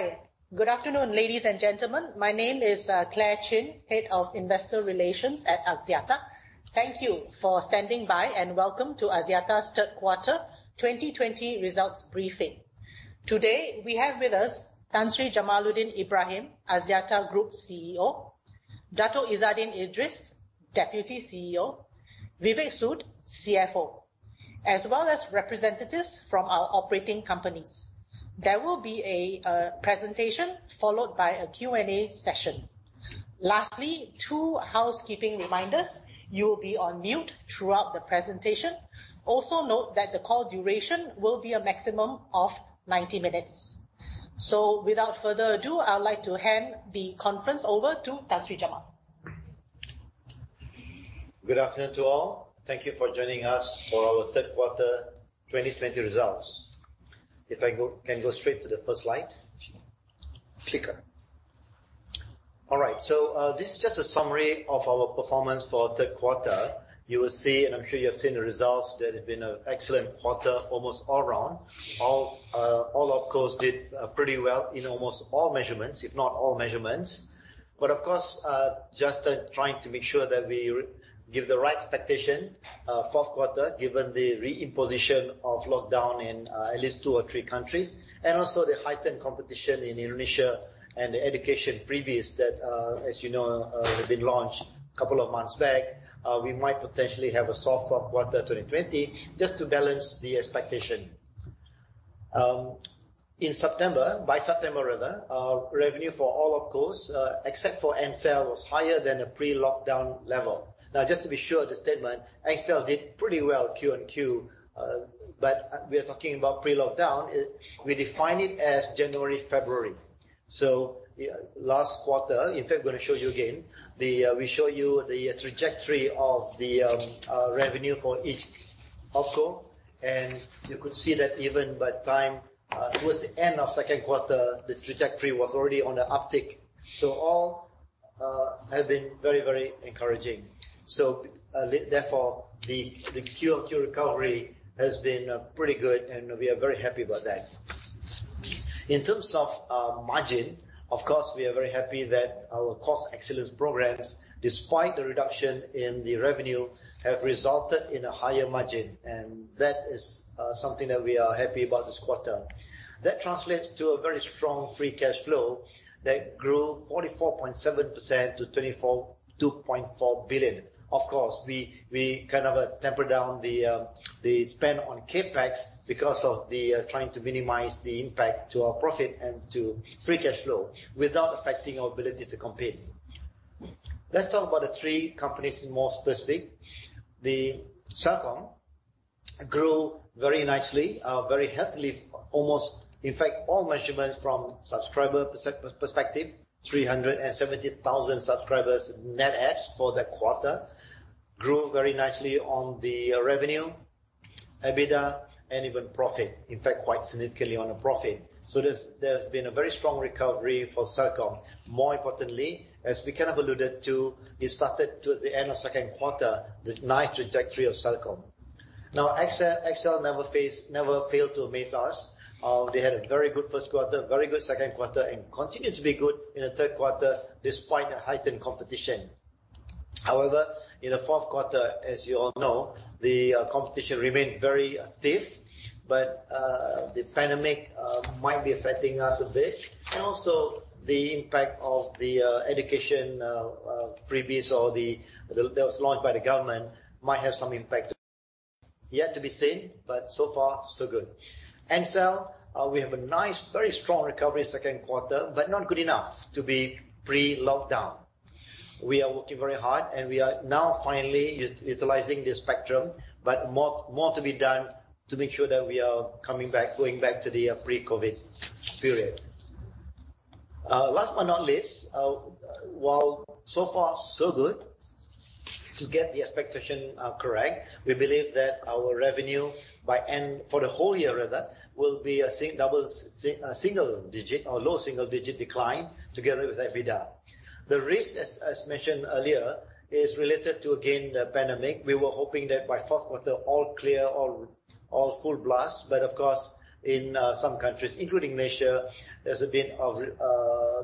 Hi. Good afternoon, ladies and gentlemen. My name is Clare Chin, Head of Investor Relations at Axiata. Thank you for standing by. Welcome to Axiata's third quarter 2020 results briefing. Today, we have with us Tan Sri Jamaludin Ibrahim, Axiata Group CEO, Dato' Izzaddin Idris, Deputy CEO, Vivek Sood, CFO, as well as representatives from our operating companies. There will be a presentation followed by a Q&A session. Lastly, two housekeeping reminders. You will be on mute throughout the presentation. Note that the call duration will be a maximum of 90 minutes. Without further ado, I would like to hand the conference over to Tan Sri Jamaludin. Good afternoon to all. Thank you for joining us for our third quarter 2020 results. If I can go straight to the first slide. Sure. Clicker. All right. This is just a summary of our performance for third quarter. You will see, and I'm sure you have seen the results, that it's been an excellent quarter almost all round. All opcos did pretty well in almost all measurements, if not all measurements. Of course, just trying to make sure that we give the right expectation, fourth quarter, given the re-imposition of lockdown in at least two or three countries, and also the heightened competition in Indonesia and the education freebies that, as you know, have been launched a couple of months back. We might potentially have a soft fourth quarter 2020, just to balance the expectation. By September, revenue for all opcos, except for Ncell, was higher than the pre-lockdown level. Just to be sure of the statement, XL did pretty well Q-on-Q. We are talking about pre-lockdown. We define it as January, February. Last quarter, in fact, I'm going to show you again. We show you the trajectory of the revenue for each OpCo, and you could see that even by time towards the end of second quarter, the trajectory was already on the uptick. All have been very encouraging. Therefore, the QoQ recovery has been pretty good, and we are very happy about that. In terms of margin, of course, we are very happy that our cost excellence programs, despite the reduction in the revenue, have resulted in a higher margin, and that is something that we are happy about this quarter. That translates to a very strong free cash flow that grew 44.7% to 2.4 billion. Of course, we kind of temper down the spend on CapEx because of the trying to minimize the impact to our profit and to free cash flow without affecting our ability to compete. Let's talk about the three companies more specific. Celcom grew very nicely, very healthily. In fact, all measurements from subscriber perspective, 370,000 subscribers net adds for that quarter. Grew very nicely on the revenue, EBITDA, and even profit. In fact, quite significantly on a profit. There has been a very strong recovery for Celcom. More importantly, as we kind of alluded to, it started towards the end of second quarter, the nice trajectory of Celcom. Axiata never fail to amaze us. They had a very good first quarter, very good second quarter, and continue to be good in the third quarter despite the heightened competition. In the fourth quarter, as you all know, the competition remained very stiff. The pandemic might be affecting us a bit. Also the impact of the education freebies that was launched by the government might have some impact. Yet to be seen, but so far, so good. Ncell, we have a nice, very strong recovery second quarter, but not good enough to be pre-lockdown. We are working very hard, and we are now finally utilizing the spectrum, but more to be done to make sure that we are going back to the pre-COVID period. Last but not least, while so far, so good to get the expectation correct, we believe that our revenue by end for the whole year rather, will be a low single-digit decline together with EBITDA. The risk, as mentioned earlier, is related to, again, the pandemic. We were hoping that by fourth quarter, all clear, all full blast. Of course, in some countries, including Malaysia, there's a bit of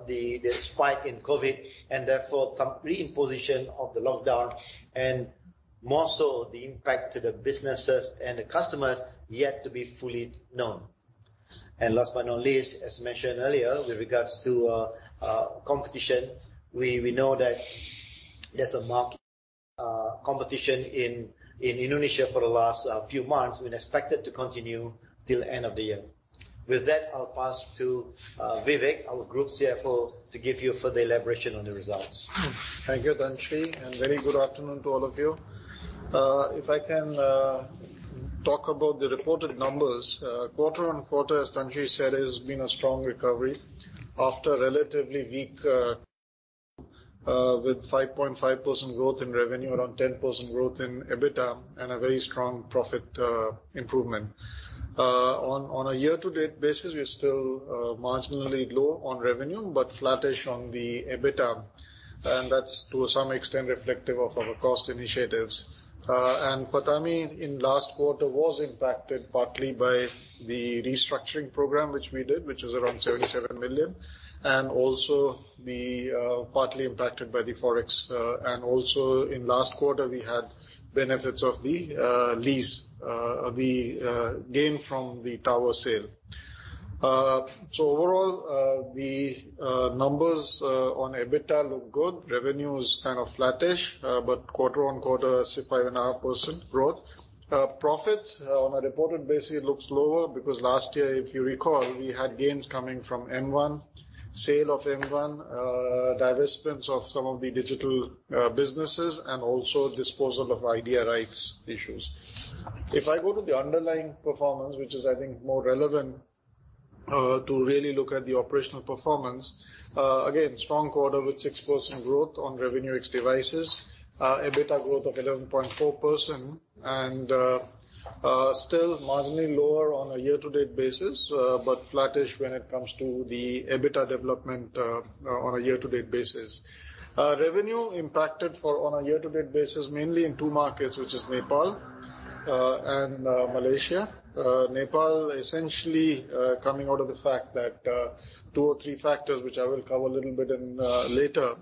the spike in COVID and therefore some re-imposition of the lockdown, and more so the impact to the businesses and the customers yet to be fully known. Last but not least, as mentioned earlier, with regards to competition, we know that there's a marked competition in Indonesia for the last few months. We expect it to continue till end of the year. With that, I'll pass to Vivek, our Group CFO, to give you further elaboration on the results. Thank you, Tan Sri, and very good afternoon to all of you. If I can talk about the reported numbers. Quarter on quarter, as Tan Sri said, it has been a strong recovery after a relatively weak with 5.5% growth in revenue, around 10% growth in EBITDA, and a very strong profit improvement. On a year-to-date basis, we are still marginally low on revenue but flattish on the EBITDA, that's to some extent reflective of our cost initiatives. PATAMI in last quarter was impacted partly by the restructuring program which we did, which is around 77 million, also partly impacted by the Forex. Also in last quarter, we had benefits of the lease of the gain from the tower sale. Overall, the numbers on EBITDA look good. Revenue is kind of flattish, quarter on quarter, I say 5.5% growth. Profits on a reported basis looks lower because last year, if you recall, we had gains coming from M1, sale of M1, divestments of some of the digital businesses, and also disposal of Idea rights issues. If I go to the underlying performance, which is, I think, more relevant to really look at the operational performance, again, strong quarter with 6% growth on revenue ex devices, EBITDA growth of 11.4%, and still marginally lower on a year-to-date basis, but flattish when it comes to the EBITDA development on a year-to-date basis. Revenue impacted on a year-to-date basis mainly in two markets, which is Nepal and Malaysia. Nepal essentially coming out of the fact that two or three factors, which I will cover a little bit later,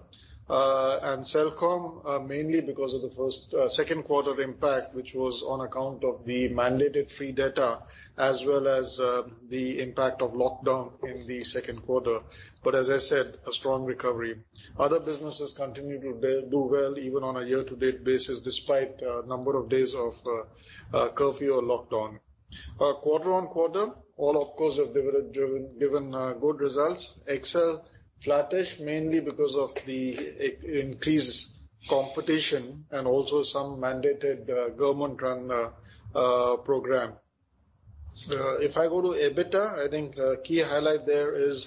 and Celcom mainly because of the second quarter impact, which was on account of the mandated free data as well as the impact of lockdown in the second quarter. As I said, a strong recovery. Other businesses continue to do well even on a year-to-date basis, despite a number of days of curfew or lockdown. Quarter on quarter, all, of course, have given good results. XL, flattish mainly because of the increased competition and also some mandated government-run program. If I go to EBITDA, I think a key highlight there is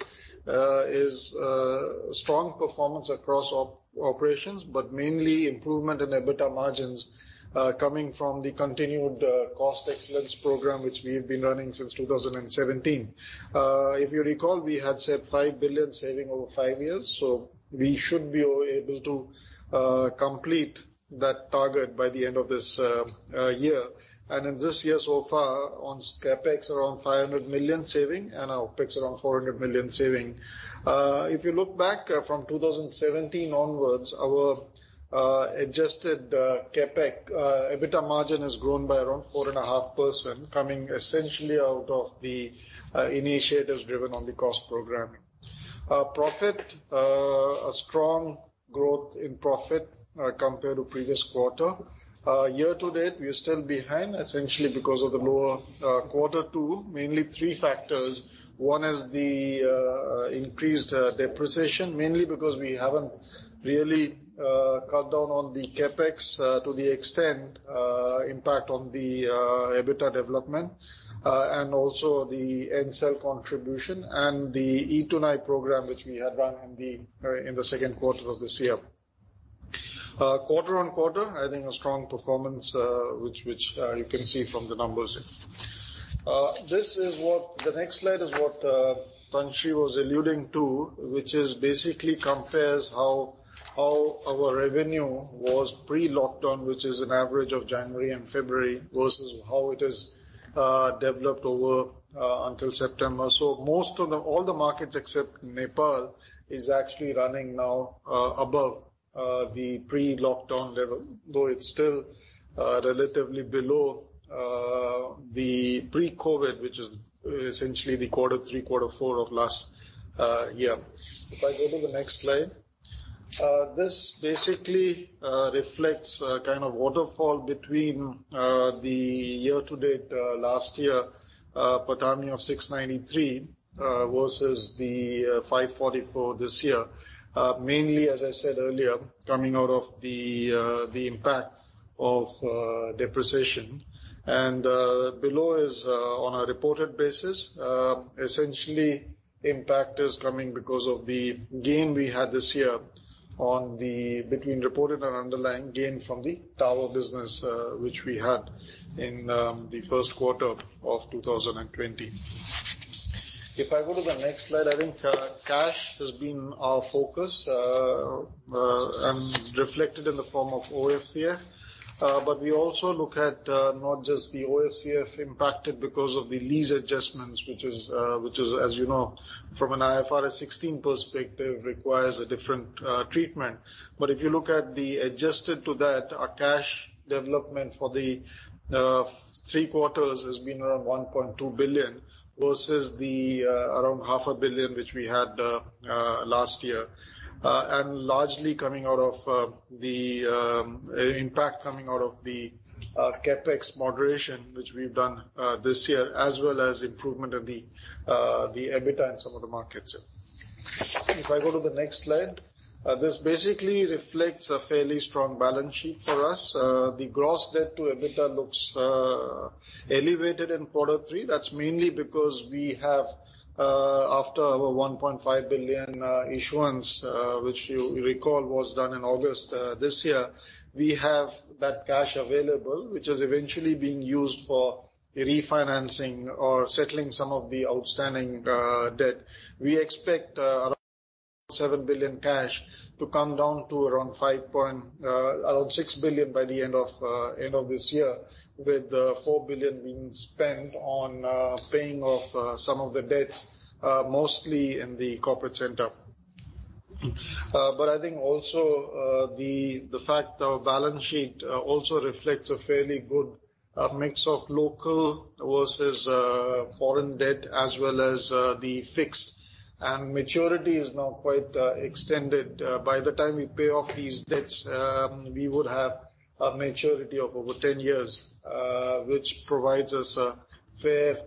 strong performance across operations, but mainly improvement in EBITDA margins coming from the continued cost excellence program which we've been running since 2017. If you recall, we had said $5 billion saving over five years. We should be able to complete that target by the end of this year. In this year so far on CapEx, around $500 million saving and OpEx around $400 million saving. If you look back from 2017 onwards, our adjusted CapEx, EBITDA margin has grown by around 4.5%, coming essentially out of the initiatives driven on the cost program. Our profit, a strong growth in profit compared to previous quarter. Year to date, we are still behind essentially because of the lower Q2. Mainly three factors. One is the increased depreciation, mainly because we haven't really cut down on the CapEx to the extent impact on the EBITDA development, and also the Ncell contribution and the [E2NI] program which we had run in the second quarter of this year. Quarter on quarter, I think a strong performance, which you can see from the numbers. The next slide is what Tan Sri was alluding to, which is basically compares how our revenue was pre-lockdown, which is an average of January and February, versus how it has developed over until September. All the markets except Nepal is actually running now above the pre-lockdown level, though it's still relatively below the pre-COVID, which is essentially the Q3, Q4 of last year. If I go to the next slide. This basically reflects a kind of waterfall between the year to date last year, PATAMI of 693 versus the 544 this year. Mainly, as I said earlier, coming out of the impact of depreciation. Below is on a reported basis. Essentially, impact is coming because of the gain we had this year between reported and underlying gain from the tower business, which we had in the first quarter of 2020. If I go to the next slide, I think cash has been our focus, reflected in the form of OFCF. We also look at not just the OFCF impacted because of the lease adjustments, which is, as you know, from an IFRS 16 perspective, requires a different treatment. If you look at the adjusted to that, our cash development for the three quarters has been around $1.2 billion versus the around half a billion which we had last year, largely coming out of the impact coming out of the CapEx moderation, which we've done this year, as well as improvement of the EBITDA in some of the markets. If I go to the next slide. This basically reflects a fairly strong balance sheet for us. The gross debt to EBITDA looks elevated in Q3. That's mainly because we have after our 1.5 billion issuance, which you recall was done in August this year, we have that cash available, which is eventually being used for refinancing or settling some of the outstanding debt. We expect around 7 billion cash to come down to around 6 billion by the end of this year, with 4 billion being spent on paying off some of the debts, mostly in the corporate center. I think also the fact our balance sheet also reflects a fairly good mix of local versus foreign debt as well as the fixed. Maturity is now quite extended. By the time we pay off these debts, we would have a maturity of over 10 years, which provides us a fair,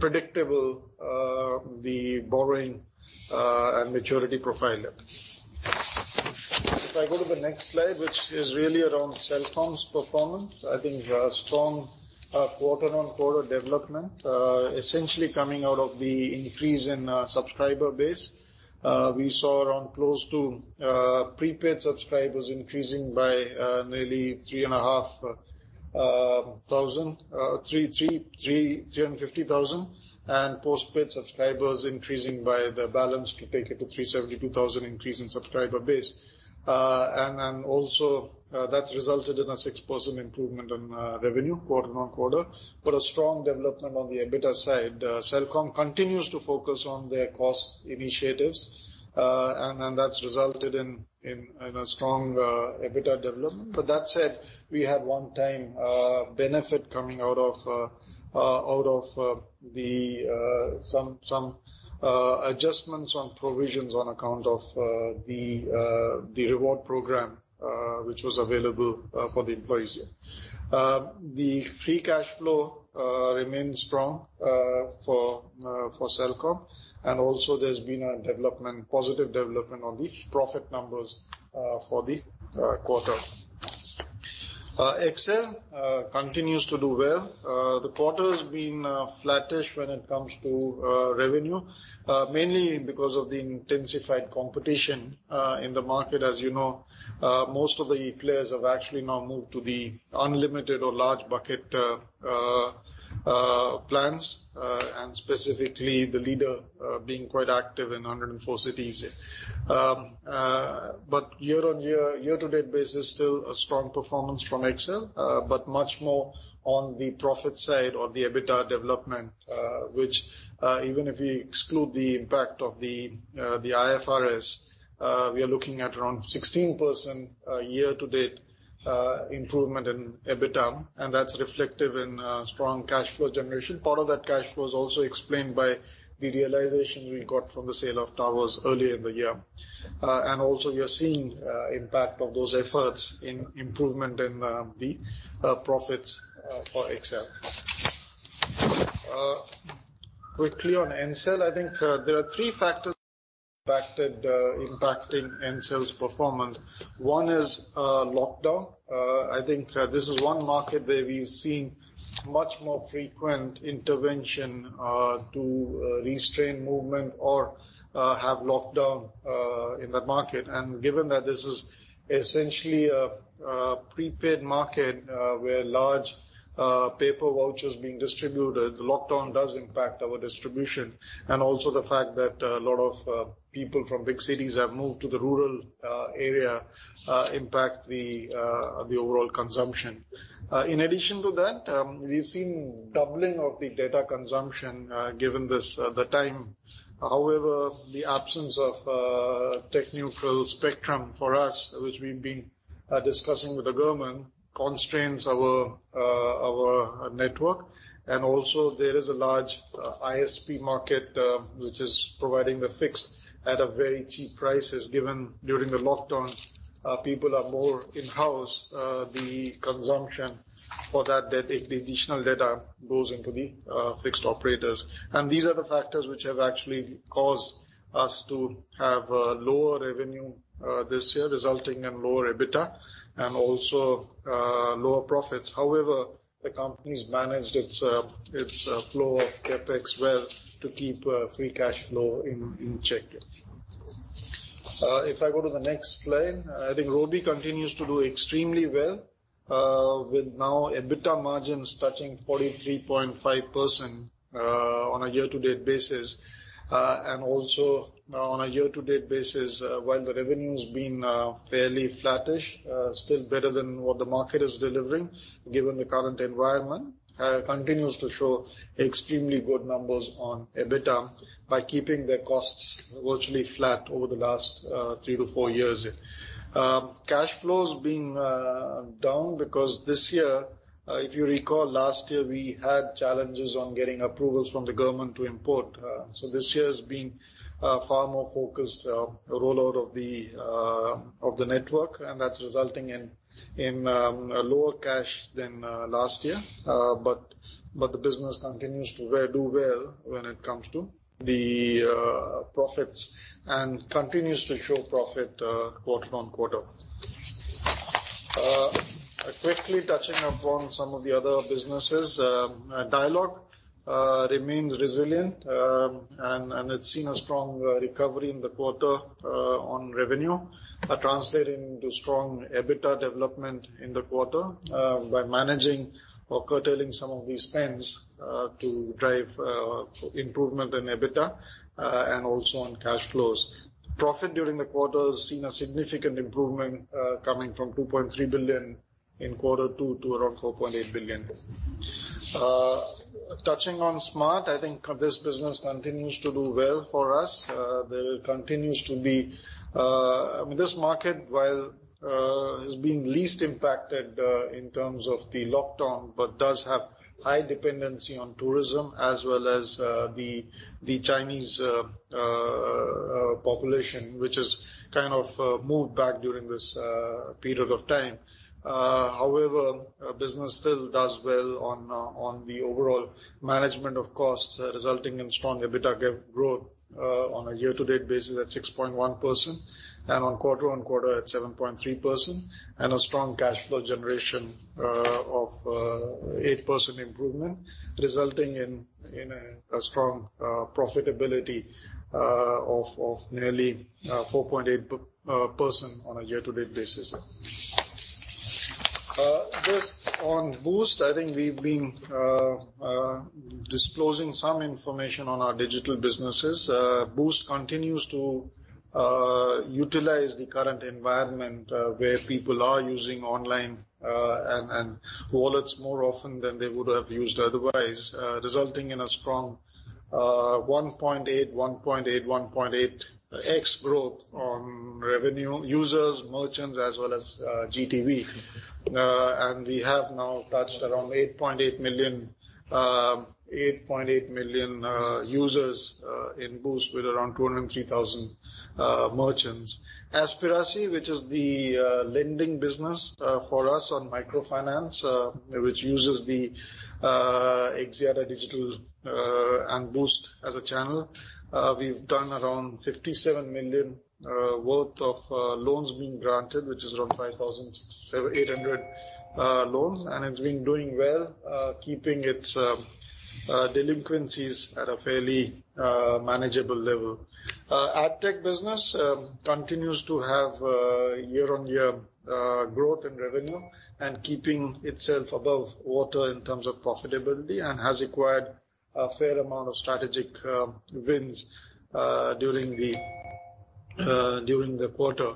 predictable borrowing and maturity profile. If I go to the next slide, which is really around Celcom's performance, I think strong quarter on quarter development, essentially coming out of the increase in subscriber base. We saw around close to prepaid subscribers increasing by nearly 350,000 and postpaid subscribers increasing by the balance to take it to 372,000 increase in subscriber base. Also that's resulted in a 6% improvement on revenue quarter on quarter. A strong development on the EBITDA side. Celcom continues to focus on their cost initiatives. That's resulted in a strong EBITDA development. That said, we had one-time benefit coming out of some adjustments on provisions on account of the reward program which was available for the employees here. The free cash flow remains strong for Celcom. Also there's been a positive development on the profit numbers for the quarter. XL continues to do well. The quarter's been flattish when it comes to revenue, mainly because of the intensified competition in the market. As you know, most of the players have actually now moved to the unlimited or large bucket plans, and specifically the leader being quite active in 104 cities. Year to date basis, still a strong performance from XL, but much more on the profit side or the EBITDA development, which even if you exclude the impact of the IFRS, we are looking at around 16% year to date improvement in EBITDA, and that's reflective in strong cash flow generation. Part of that cash flow is also explained by the realization we got from the sale of towers earlier in the year. Also you're seeing impact of those efforts in improvement in the profits for XL. Quickly on Ncell, I think there are three factors impacting Ncell's performance. One is lockdown. I think this is one market where we've seen much more frequent intervention to restrain movement or have lockdown in that market. Given that this is essentially a prepaid market, where large paper vouchers being distributed, lockdown does impact our distribution. Also the fact that a lot of people from big cities have moved to the rural area impact the overall consumption. In addition to that, we've seen doubling of the data consumption given the time. However, the absence of tech neutral spectrum for us, which we've been discussing with the government, constrains our network. Also there is a large ISP market which is providing the fixed at a very cheap prices given during the lockdown people are more in-house, the consumption for that additional data goes into the fixed operators. These are the factors which have actually caused us to have lower revenue this year, resulting in lower EBITDA and also lower profits. However, the company's managed its flow of CapEx well to keep free cash flow in check. If I go to the next slide. I think Robi continues to do extremely well with now EBITDA margins touching 43.5% on a year-to-date basis. Also on a year-to-date basis, while the revenue's been fairly flattish, still better than what the market is delivering given the current environment, continues to show extremely good numbers on EBITDA by keeping their costs virtually flat over the last three to four years. Cash flows being down because this year, if you recall, last year we had challenges on getting approvals from the government to import. This year has been far more focused rollout of the network, and that's resulting in lower cash than last year. The business continues to do well when it comes to the profits and continues to show profit quarter on quarter. Quickly touching upon some of the other businesses. Dialog remains resilient, and it's seen a strong recovery in the quarter on revenue, translating into strong EBITDA development in the quarter by managing or curtailing some of these spends to drive improvement in EBITDA and also on cash flows. Profit during the quarter has seen a significant improvement coming from 2.3 billion in Q2 to around 4.8 billion. Touching on Smart, I think this business continues to do well for us. This market, while has been least impacted in terms of the lockdown, but does have high dependency on tourism as well as the Chinese population, which has kind of moved back during this period of time. However, business still does well on the overall management of costs, resulting in strong EBITDA growth on a year-to-date basis at 6.1%, and on quarter on quarter at 7.3%, and a strong cash flow generation of 8% improvement, resulting in a strong profitability of nearly 4.8% on a year-to-date basis. Just on Boost, I think we've been disclosing some information on our digital businesses. Boost continues to utilize the current environment where people are using online and wallets more often than they would have used otherwise, resulting in a strong 1.8x growth on revenue users, merchants as well as GTV. We have now touched around 8.8 million users in Boost with around 203,000 merchants. Aspirasi, which is the lending business for us on microfinance, which uses the Axiata Digital and Boost as a channel. We've done around 57 million worth of loans being granted, which is around 5,800 loans. It's been doing well, keeping its delinquencies at a fairly manageable level. AdTech business continues to have year on year growth in revenue and keeping itself above water in terms of profitability and has acquired a fair amount of strategic wins during the quarter.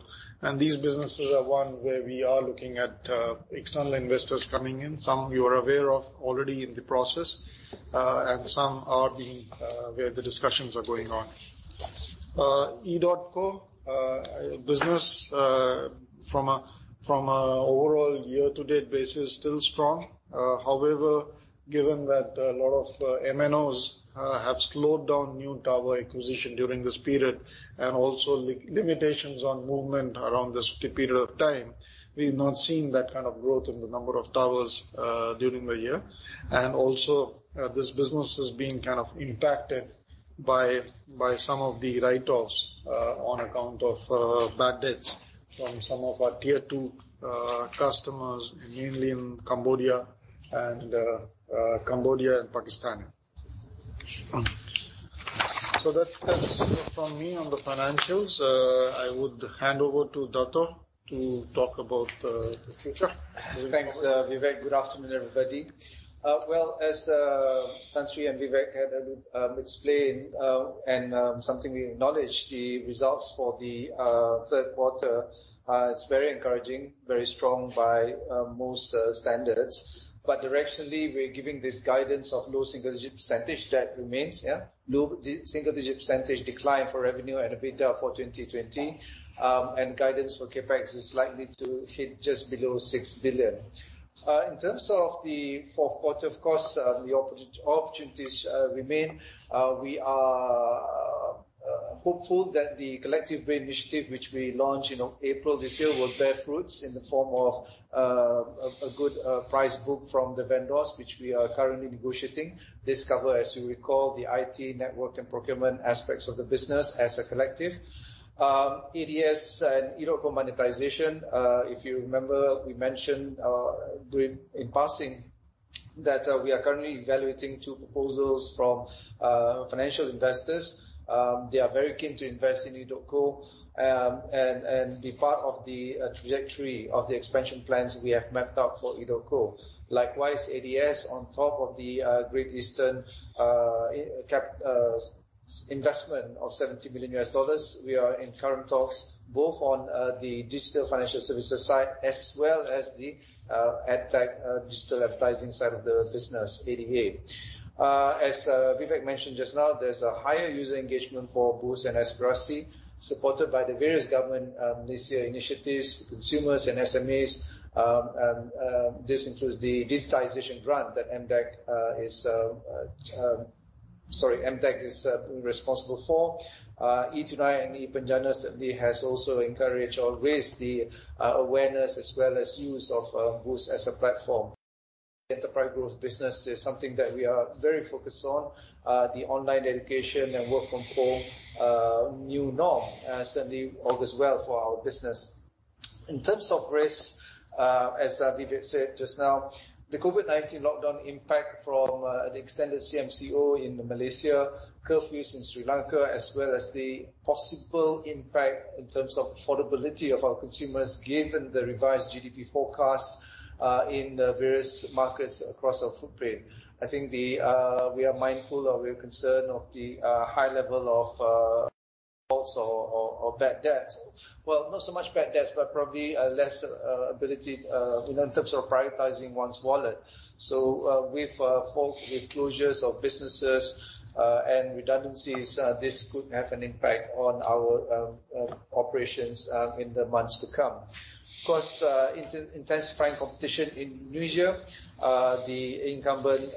These businesses are one where we are looking at external investors coming in. Some you are aware of already in the process, and some are where the discussions are going on. Edotco business from an overall year-to-date basis, still strong. However, given that a lot of MNOs have slowed down new tower acquisition during this period and also limitations on movement around this period of time, we've not seen that kind of growth in the number of towers during the year. Also, this business has been impacted by some of the write-offs on account of bad debts from some of our Tier 2 customers, mainly in Cambodia and Pakistan. That's from me on the financials. I would hand over to Dato' to talk about the future. Thanks, Vivek. Good afternoon, everybody. Well, as Tan Sri and Vivek had explained, and something we acknowledge, the results for the third quarter are very encouraging, very strong by most standards. Directionally, we are giving this guidance of low single-digit percentage. That remains, yeah. Low single-digit percentage decline for revenue and EBITDA for 2020. Guidance for CapEx is likely to hit just below $6 billion. In terms of the fourth quarter, of course, the opportunities remain. We are hopeful that the Collective Brain initiative, which we launched in April this year, will bear fruits in the form of a good price book from the vendors, which we are currently negotiating. This cover, as you recall, the IT network and procurement aspects of the business as a collective. ADS and Edotco monetization. If you remember, we mentioned in passing that we are currently evaluating two proposals from financial investors. They are very keen to invest in Edotco and be part of the trajectory of the expansion plans we have mapped out for Edotco. Likewise, ADS on top of the Great Eastern investment of MYR 70 million, we are in current talks both on the digital financial services side as well as the AdTech digital advertising side of the business, ADA. As Vivek mentioned just now, there's a higher user engagement for Boost and Aspirasi, supported by the various government Malaysia initiatives for consumers and SMEs. This includes the digitization grant that MDEC is responsible for. e-Tunai and ePENJANA certainly has also encouraged or raised the awareness as well as use of Boost as a platform. Enterprise growth business is something that we are very focused on. The online education and work from home new norm has certainly augurs well for our business. In terms of risks, as Vivek said just now, the COVID-19 lockdown impact from the extended CMCO in Malaysia, curfews in Sri Lanka, as well as the possible impact in terms of affordability of our consumers given the revised GDP forecast in the various markets across our footprint. I think we are mindful or we are concerned of the high level of bad debts. Well, not so much bad debts, but probably a less ability in terms of prioritizing one's wallet. With closures of businesses and redundancies, this could have an impact on our operations in the months to come. Of course, intensifying competition in Indonesia. The incumbent,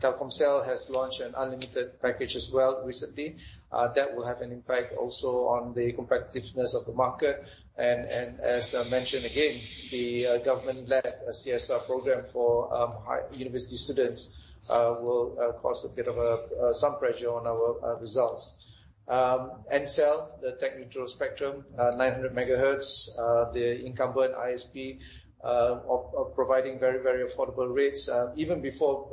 Telkomsel, has launched an unlimited package as well recently. That will have an impact also on the competitiveness of the market. As I mentioned again, the government-led CSR program for university students will cause some pressure on our results. Ncell, the tech neutral spectrum, 900 MHz, the incumbent ISP, are providing very affordable rates. Even before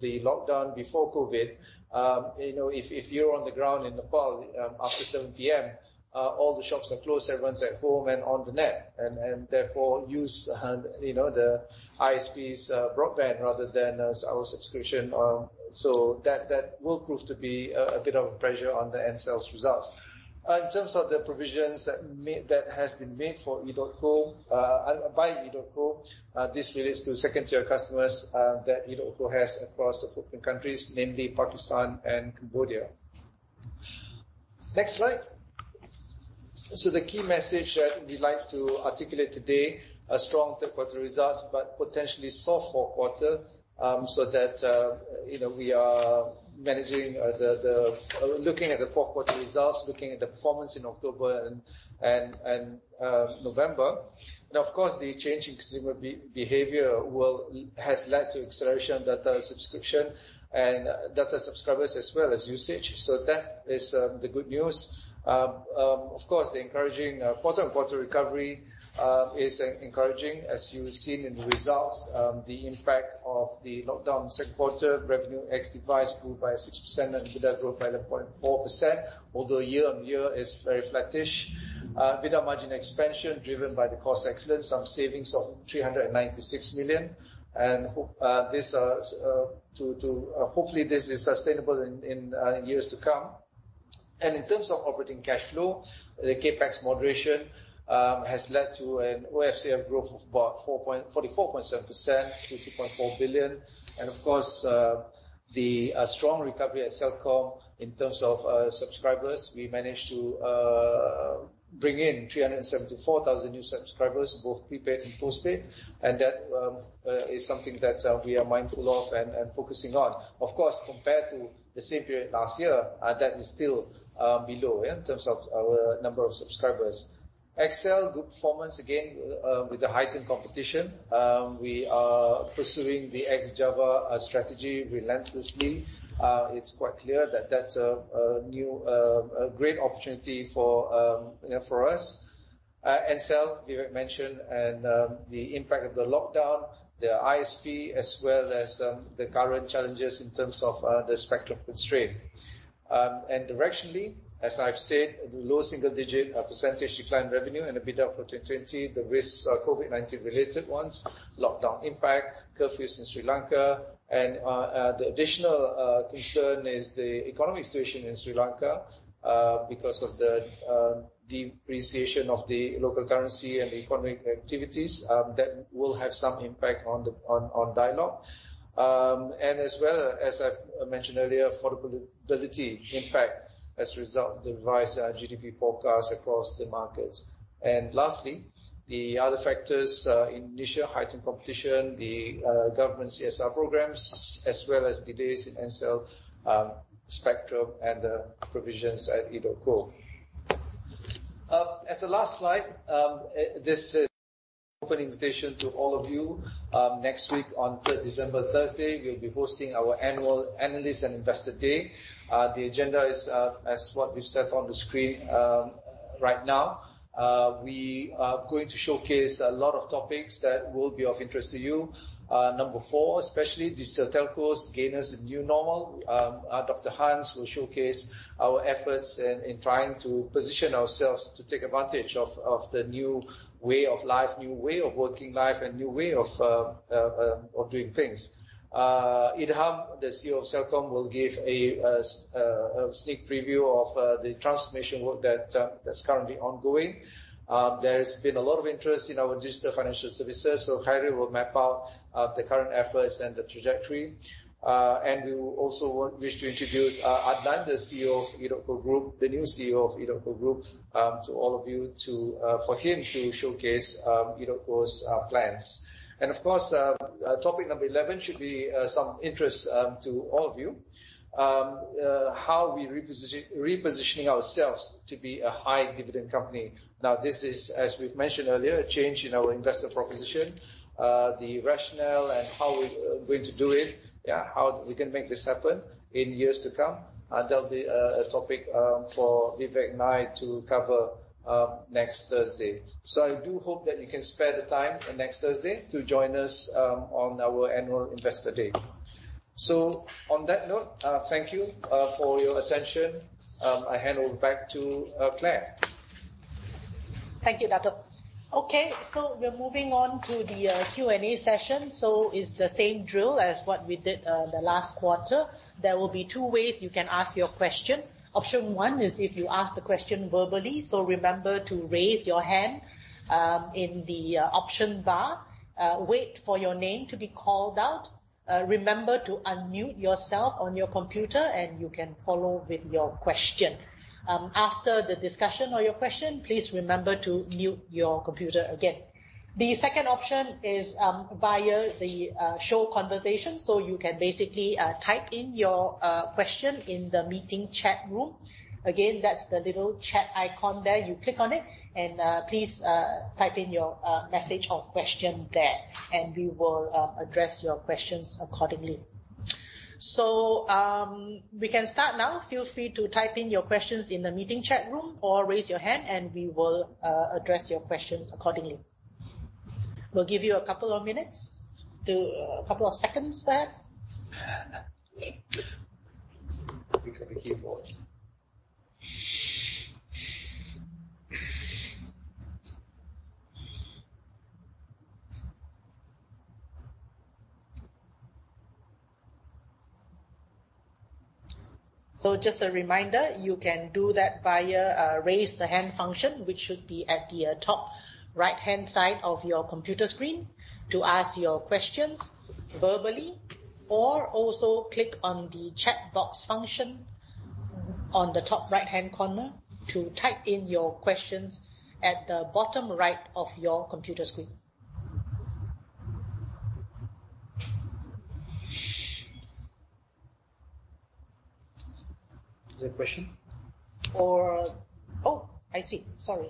the lockdown, before COVID, if you're on the ground in Nepal, after 7:00 P.M., all the shops are closed, everyone's at home and on the net, and therefore use the ISP's broadband rather than our subscription. That will prove to be a bit of a pressure on the Ncell's results. In terms of the provisions that has been made by Edotco, this relates to Tier 2 customers that Edotco has across the footprint countries, namely Pakistan and Cambodia. Next slide. The key message that we'd like to articulate today, a strong third quarter results, but potentially soft fourth quarter, so that we are looking at the fourth quarter results, looking at the performance in October and November. Of course, the change in consumer behavior has led to acceleration data subscription and data subscribers as well as usage. That is the good news. Of course, the quarter on quarter recovery is encouraging. As you've seen in the results, the impact of the lockdown second quarter revenue ex-device grew by 6% and EBITDA grew by 11.4%, although year-over-year is very flattish. EBITDA margin expansion driven by the cost excellence, some savings of 396 million, and hopefully this is sustainable in years to come. In terms of operating cash flow, the CapEx moderation has led to an OCF growth of about 44.7% to 2.4 billion. Of course, the strong recovery at Celcom in terms of subscribers. We managed to bring in 374,000 new subscribers, both prepaid and postpaid, that is something that we are mindful of and focusing on. Of course, compared to the same period last year, that is still below in terms of our number of subscribers. XL, good performance again, with the heightened competition. We are pursuing the ex-Java strategy relentlessly. It's quite clear that that's a great opportunity for us. Ncell, Vivek mentioned, the impact of the lockdown, the ISP, as well as the current challenges in terms of the spectrum constraint. Directionally, as I've said, the low single-digit percentage decline revenue and EBITDA for 2020, the risks are COVID-19-related ones, lockdown impact, curfews in Sri Lanka. The additional concern is the economic situation in Sri Lanka, because of the depreciation of the local currency and the economic activities, that will have some impact on Dialog. As well, as I've mentioned earlier, affordability impact as a result of the revised GDP forecast across the markets. Lastly, the other factors, Indonesia heightened competition, the government CSR programs, as well as delays in Ncell spectrum and the provisions at Edotco. As the last slide, this is an open invitation to all of you. Next week on 3rd December, Thursday, we'll be hosting our annual Analyst & Investor Day. The agenda is as what we've set on the screen right now. We are going to showcase a lot of topics that will be of interest to you. Number four, especially, digital telcos, gainers in new normal. Dr Hans will showcase our efforts in trying to position ourselves to take advantage of the new way of life, new way of working life, and new way of doing things. Idham, the CEO of Celcom, will give a sneak preview of the transformation work that's currently ongoing. There's been a lot of interest in our digital financial services. Khairil will map out the current efforts and the trajectory. We also wish to introduce Adlan, the new CEO of Edotco Group, to all of you for him to showcase Edotco's plans. Of course, topic number 11 should be some interest to all of you. How we repositioning ourselves to be a high dividend company. This is, as we've mentioned earlier, a change in our investor proposition. The rationale and how we're going to do it, how we can make this happen in years to come. That'll be a topic for Vivek and I to cover next Thursday. I do hope that you can spare the time next Thursday to join us on our annual Investor Day. On that note, thank you for your attention. I hand over back to Clare. Thank you, Dato'. We're moving on to the Q&A session. It's the same drill as what we did the last quarter. There will be two ways you can ask your question. Option one is if you ask the question verbally, remember to raise your hand in the option bar, wait for your name to be called out. Remember to unmute yourself on your computer, you can follow with your question. After the discussion or your question, please remember to mute your computer again. The second option is via the Show Conversation. You can basically type in your question in the meeting chat room. Again, that's the little chat icon there. You click on it, please type in your message or question there, we will address your questions accordingly. We can start now. Feel free to type in your questions in the meeting chat room or raise your hand and we will address your questions accordingly. We'll give you a couple of minutes to A couple of seconds, perhaps. We can begin, Boss. Just a reminder, you can do that via Raise the Hand function, which should be at the top right-hand side of your computer screen to ask your questions verbally or also click on the chat box function on the top right-hand corner to type in your questions at the bottom right of your computer screen. Is there a question? Oh, I see. Sorry.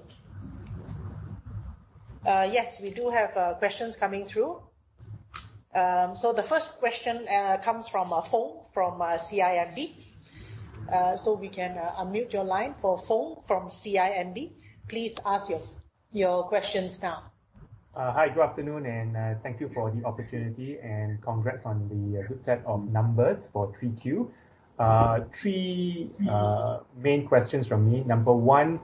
Yes, we do have questions coming through. The first question comes from Foong from CIMB. We can unmute your line for Foong from CIMB. Please ask your questions now. Hi. Good afternoon, thank you for the opportunity, and congrats on the good set of numbers for 3Q. Three main questions from me. Number one,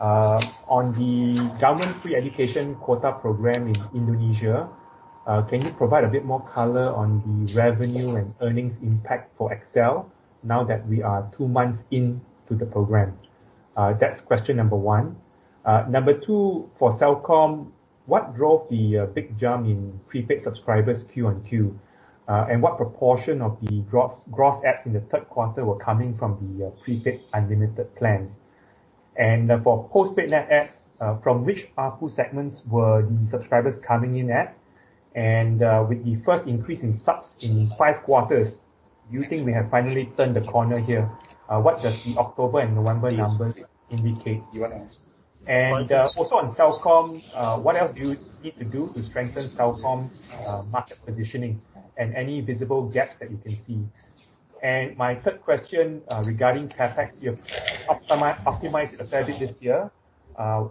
on the government free education quota program in Indonesia, can you provide a bit more color on the revenue and earnings impact for XL now that we are two months into the program? That's question number one. Number two, for Celcom, what drove the big jump in prepaid subscribers Q on Q? What proportion of the gross adds in the third quarter were coming from the prepaid unlimited plans? For postpaid net adds, from which ARPU segments were the subscribers coming in at? With the first increase in subs in five quarters, do you think we have finally turned the corner here? What does the October and November numbers indicate? Also on Celcom, what else do you need to do to strengthen Celcom's market positioning and any visible gaps that you can see? My third question regarding CapEx, you've optimized CapEx this year,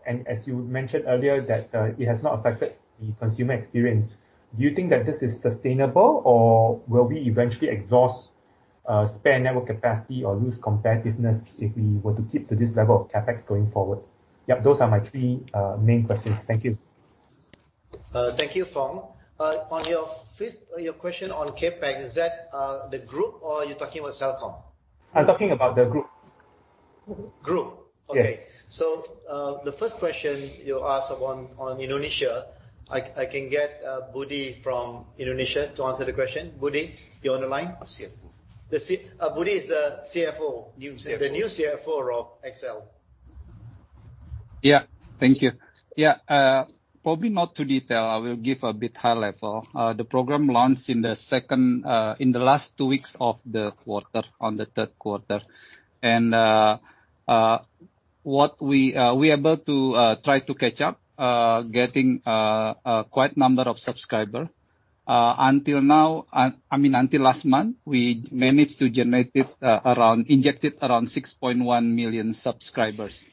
and as you mentioned earlier that it has not affected the consumer experience. Do you think that this is sustainable or will we eventually exhaust spare network capacity or lose competitiveness if we were to keep to this level of CapEx going forward? Yep, those are my three main questions. Thank you. Thank you, Foong. On your question on CapEx, is that the group or you're talking about Celcom? I'm talking about the group. Group? Yes. Okay. The first question you asked on Indonesia, I can get Budi from Indonesia to answer the question. Budi, you're on the line? CFO. Budi is the CFO. New CFO. The new CFO of XL. Thank you. Probably not too detailed. I will give a bit high level. The program launched in the last two weeks of the quarter, on the third quarter. We are about to try to catch up, getting a quite number of subscriber. Until last month, we managed to inject around 6.1 million subscribers.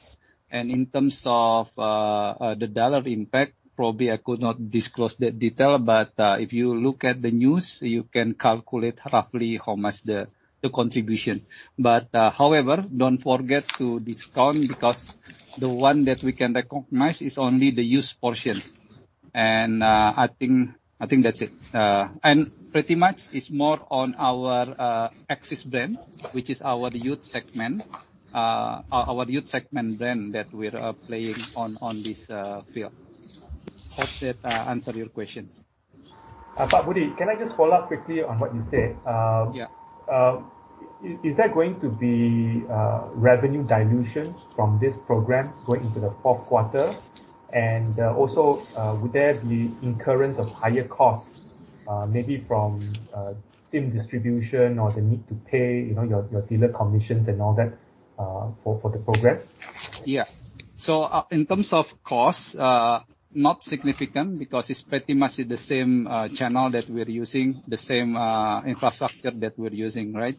In terms of the dollar impact, probably I could not disclose the detail, but if you look at the news, you can calculate roughly how much the contribution. However, don't forget to discount because the one that we can recognize is only the used portion. I think that's it. Pretty much it's more on our AXIS brand, which is our youth segment brand that we're playing on this field. Hope that answered your questions. Budi Pramantika, can I just follow up quickly on what you said? Yeah. Is there going to be revenue dilution from this program going into the fourth quarter? Would there be incurrence of higher costs, maybe from SIM distribution or the need to pay your dealer commissions and all that for the program? Yeah. In terms of cost, not significant because it's pretty much the same channel that we're using, the same infrastructure that we're using, right?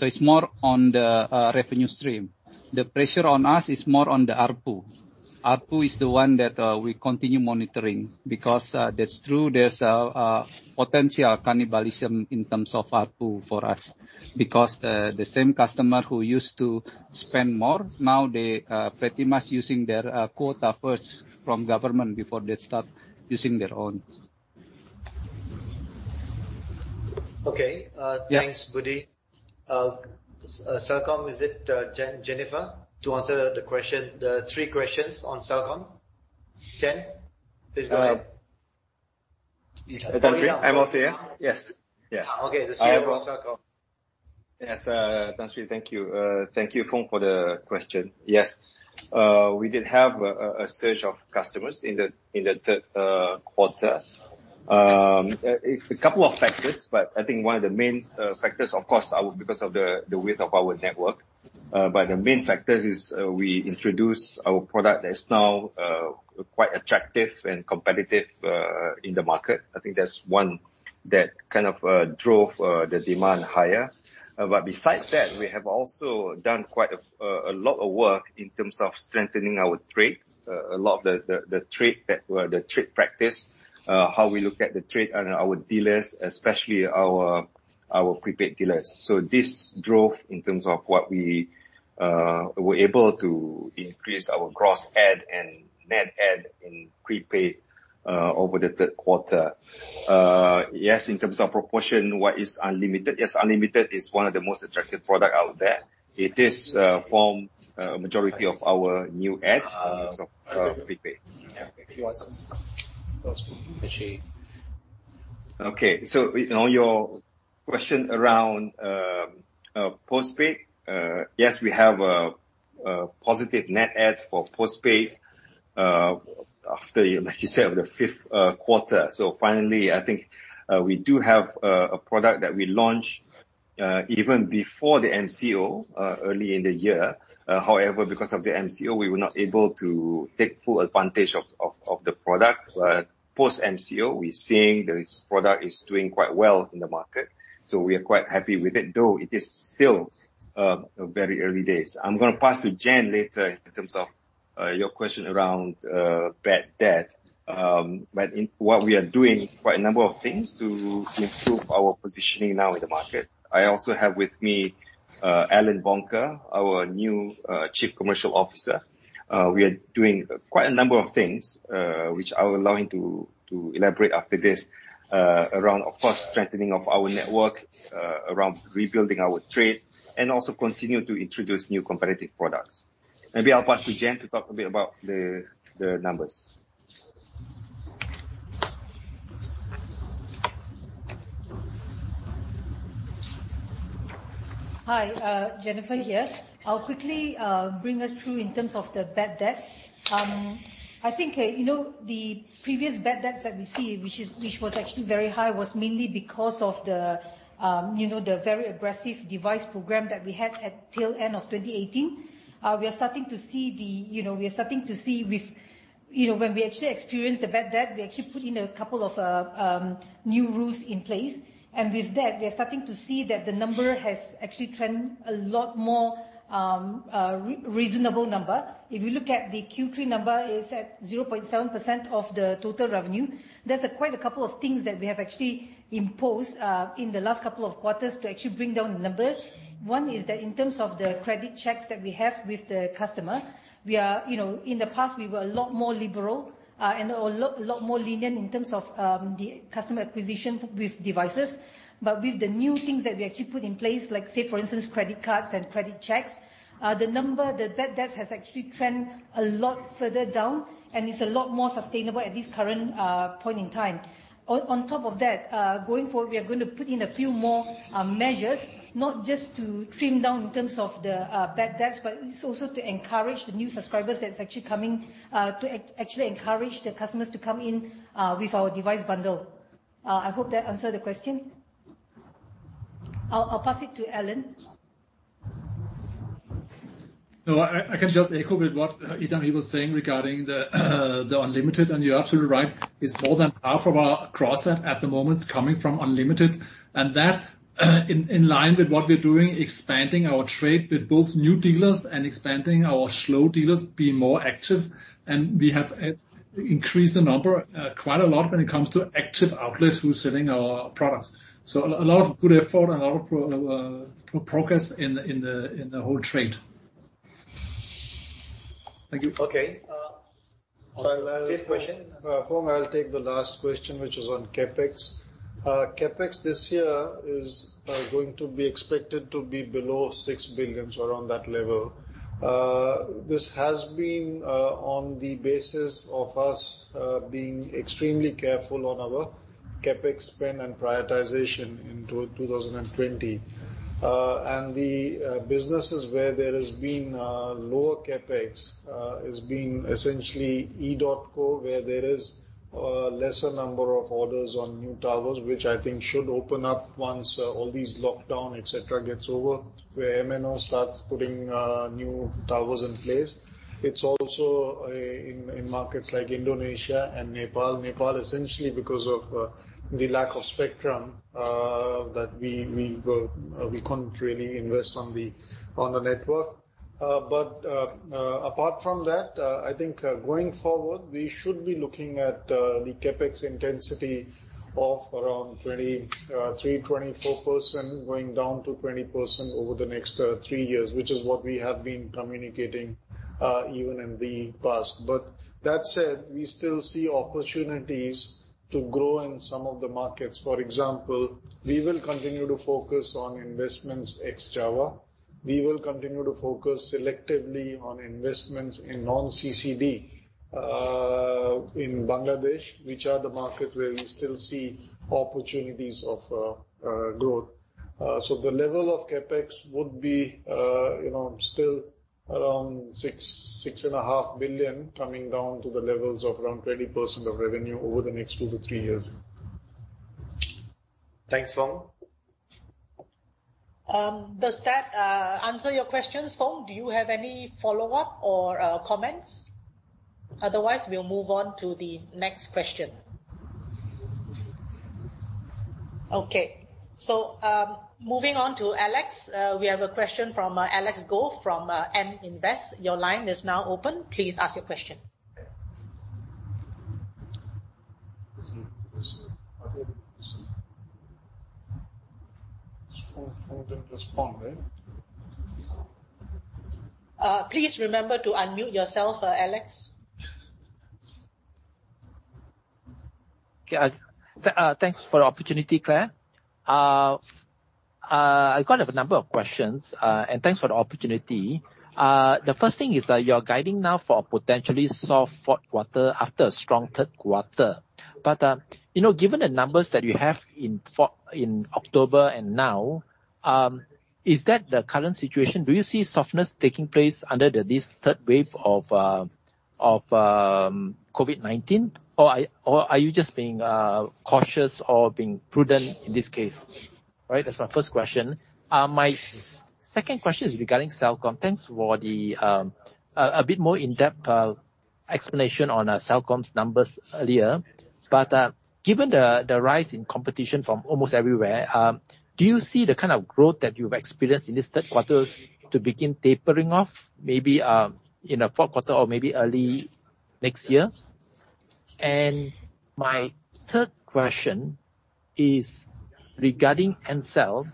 It's more on the revenue stream. The pressure on us is more on the ARPU. ARPU is the one that we continue monitoring because that's true, there's potential cannibalism in terms of ARPU for us. The same customer who used to spend more, now they pretty much using their quota first from government before they start using their own. Okay. Thanks, Budi. Celcom, is it Jennifer to answer the three questions on Celcom? Jen, please go ahead. Idham Nawawi. I'm also here. Yes. Yeah. Okay. The CFO of Celcom. Yes. Idham Nawawi, thank you. Thank you, Foong, for the question. Yes. We did have a surge of customers in the third quarter. A couple of factors, but I think one of the main factors, of course, because of the width of our network. The main factors is we introduced our product that is now quite attractive and competitive in the market. I think that's one that drove the demand higher. Besides that, we have also done quite a lot of work in terms of strengthening our trade. A lot of the trade practice, how we look at the trade and our dealers, especially our prepaid dealers. This drove in terms of what we were able to increase our gross add and net add in prepaid over the third quarter. Yes, in terms of proportion, what is unlimited? Yes, unlimited is one of the most attractive product out there. It forms a majority of our new adds in terms of prepaid. Yeah. If you want to answer. Okay. On your question around postpaid. Yes, we have a positive net adds for postpaid after, like you said, the fifth quarter. Finally, I think we do have a product that we launched even before the MCO early in the year. However, because of the MCO, we were not able to take full advantage of the product. Post-MCO, we're seeing this product is doing quite well in the market. We are quite happy with it, though it is still very early days. I'm going to pass to Jen later in terms of your question around bad debt. What we are doing quite a number of things to improve our positioning now in the market. I also have with me Allan Bonke, our new Chief Commercial Officer. We are doing quite a number of things, which I will allow him to elaborate after this, around, of course, strengthening of our network, around rebuilding our trade, and also continue to introduce new competitive products. Maybe I'll pass to Jen to talk a bit about the numbers. Hi. Jennifer here. I will quickly bring us through in terms of the bad debts. I think the previous bad debts that we see, which was actually very high, was mainly because of the very aggressive device program that we had till end of 2018. We are starting to see when we actually experience the bad debt, we actually put in a couple of new rules in place. With that, we are starting to see that the number has actually trend a lot more reasonable number. If you look at the Q3 number is at 0.7% of the total revenue. There is quite a couple of things that we have actually imposed in the last couple of quarters to actually bring down the number. One is that in terms of the credit checks that we have with the customer. In the past, we were a lot more liberal and a lot more lenient in terms of the customer acquisition with devices. With the new things that we actually put in place, like say for instance, credit cards and credit checks, the bad debts has actually trend a lot further down, and it's a lot more sustainable at this current point in time. On top of that, going forward, we are going to put in a few more measures, not just to trim down in terms of the bad debts, but it's also to encourage the new subscribers that's actually coming to actually encourage the customers to come in with our device bundle. I hope that answered the question. I'll pass it to Allan. No. I can just echo with what Idham was saying regarding the unlimited. You're absolutely right. It's more than half of our cross add at the moment is coming from unlimited. That in line with what we're doing, expanding our trade with both new dealers and expanding our slow dealers being more active. We have increased the number quite a lot when it comes to active outlets who are selling our products. A lot of good effort and a lot of progress in the whole trade. Thank you. Okay. Fifth question. Foong, I'll take the last question, which is on CapEx. CapEx this year is going to be expected to be below 6 billion or around that level. This has been on the basis of us being extremely careful on our CapEx spend and prioritization into 2020. The businesses where there has been lower CapEx has been essentially Edotco, where there is a lesser number of orders on new towers, which I think should open up once all these lockdown, et cetera, gets over, where MNO starts putting new towers in place. It is also in markets like Indonesia and Nepal. Nepal, essentially because of the lack of spectrum, that we cannot really invest on the network. Apart from that, I think going forward, we should be looking at the CapEx intensity of around 23%-24% going down to 20% over the next three years, which is what we have been communicating even in the past. That said, we still see opportunities to grow in some of the markets. For example, we will continue to focus on investments ex-Java. We will continue to focus selectively on investments in non-CCB, in Bangladesh, which are the markets where we still see opportunities of growth. The level of CapEx would be still around 6.5 Billion, coming down to the levels of around 20% of revenue over the next two to three years. Thanks, Foong. Does that answer your questions, Foong? Do you have any follow-up or comments? Otherwise, we'll move on to the next question. Okay. Moving on to Alex. We have a question from Alex Goh from AmInvestment Bank. Your line is now open. Please ask your question. Foong didn't respond, right? Please remember to unmute yourself, Alex. Okay. Thanks for the opportunity, Clare. I've got a number of questions. Thanks for the opportunity. The first thing is that you're guiding now for a potentially soft fourth quarter after a strong third quarter. Given the numbers that you have in October and now, is that the current situation? Do you see softness taking place under this third wave of COVID-19? Are you just being cautious or being prudent in this case? That's my first question. My second question is regarding Celcom. Thanks for the bit more in-depth explanation on Celcom's numbers earlier. Given the rise in competition from almost everywhere, do you see the kind of growth that you've experienced in this third quarter to begin tapering off maybe in the fourth quarter or maybe early next year? My third question is regarding Ncell,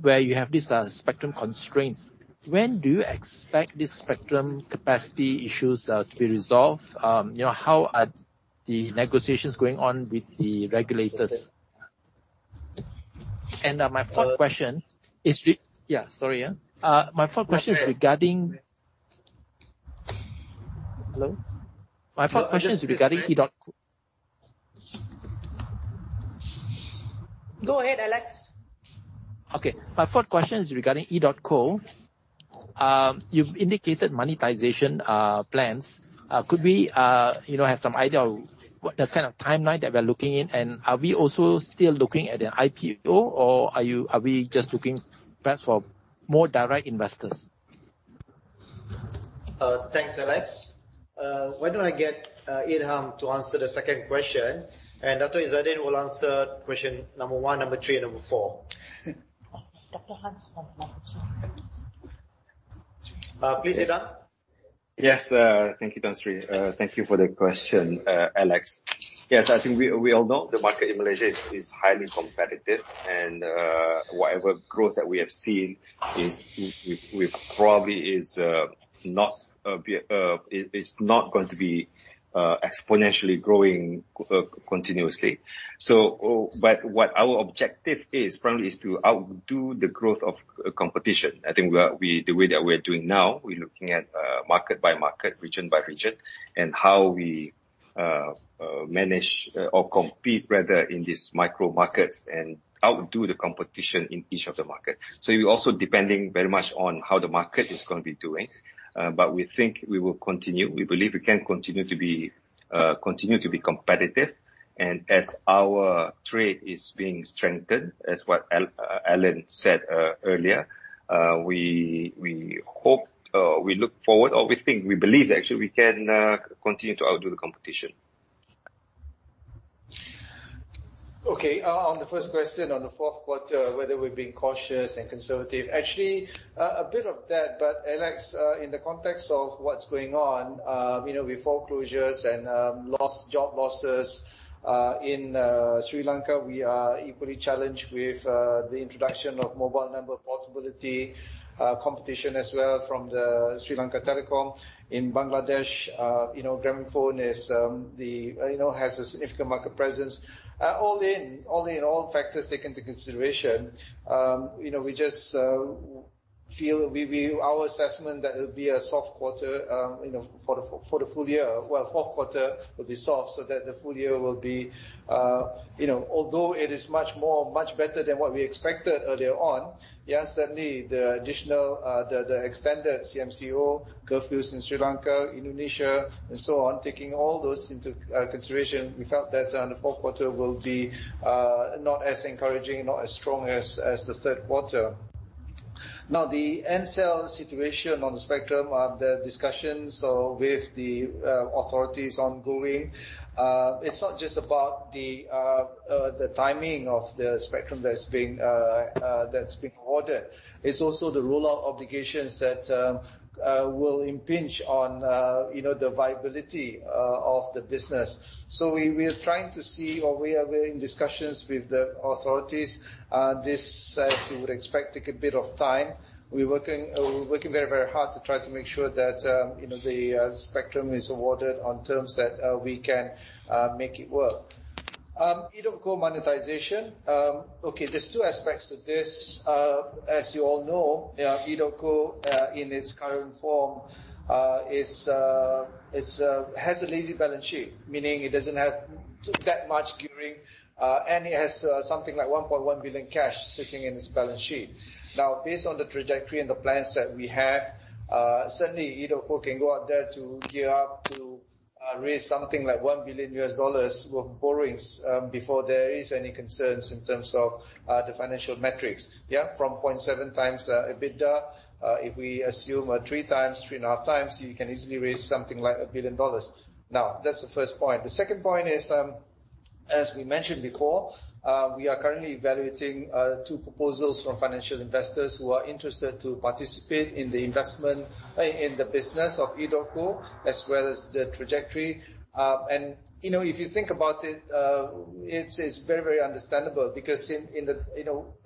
where you have these spectrum constraints. When do you expect these spectrum capacity issues to be resolved? How are the negotiations going on with the regulators? Yeah, sorry. My fourth question is regarding Edotco. Go ahead, Alex. Okay. My fourth question is regarding Edotco. You've indicated monetization plans. Could we have some idea of what the timeline that we're looking in, and are we also still looking at an IPO, or are we just looking perhaps for more direct investors? Thanks, Alex. Why don't I get Idham to answer the second question, and Dato' Izzaddin will answer question number one, number three, and number four. Dato' Idham. Please, Idham. Thank you, Tan Sri. Thank you for the question, Alex. I think we all know the market in Malaysia is highly competitive, and whatever growth that we have seen probably is not going to be exponentially growing continuously. What our objective is, frankly, is to outdo the growth of competition. I think the way that we're doing now, we're looking at market by market, region by region, and how we manage or compete rather in these micro markets and outdo the competition in each of the market. We're also depending very much on how the market is going to be doing. We think we will continue. We believe we can continue to be competitive, and as our trade is being strengthened, as what Allan said earlier, we hope, we look forward, or we think, we believe, actually, we can continue to outdo the competition. Okay. On the first question on the fourth quarter, whether we're being cautious and conservative. Actually, a bit of that. Alex, in the context of what's going on, with foreclosures and job losses in Sri Lanka, we are equally challenged with the introduction of mobile number portability, competition as well from the Sri Lanka Telecom. In Bangladesh, Grameenphone has a significant market presence. All in, all factors taken into consideration, we just feel our assessment that it'll be a soft quarter for the full year. Well, fourth quarter will be soft so that the full year will be, although it is much better than what we expected earlier on, yes, certainly, the extended CMCO, curfews in Sri Lanka, Indonesia, and so on. Taking all those into consideration, we felt that the fourth quarter will be not as encouraging, not as strong as the third quarter. The Ncell situation on the spectrum, the discussions with the authorities ongoing. It's not just about the timing of the spectrum that's been ordered. It's also the rollout obligations that will impinge on the viability of the business. We are trying to see, or we are in discussions with the authorities. This, as you would expect, take a bit of time. We're working very hard to try to make sure that the spectrum is awarded on terms that we can make it work. Edotco monetization. There's two aspects to this. As you all know, Edotco in its current form has a lazy balance sheet, meaning it doesn't have that much gearing, and it has something like 1.1 billion cash sitting in its balance sheet. Based on the trajectory and the plans that we have, certainly Edotco can go out there to gear up to raise something like $1 billion worth of borrowings before there is any concerns in terms of the financial metrics. From 0.7x EBITDA, if we assume three times, 3.5x, you can easily raise something like $1 billion. That's the first point. The second point is, as we mentioned before, we are currently evaluating two proposals from financial investors who are interested to participate in the business of Edotco, as well as the trajectory. If you think about it's very, very understandable because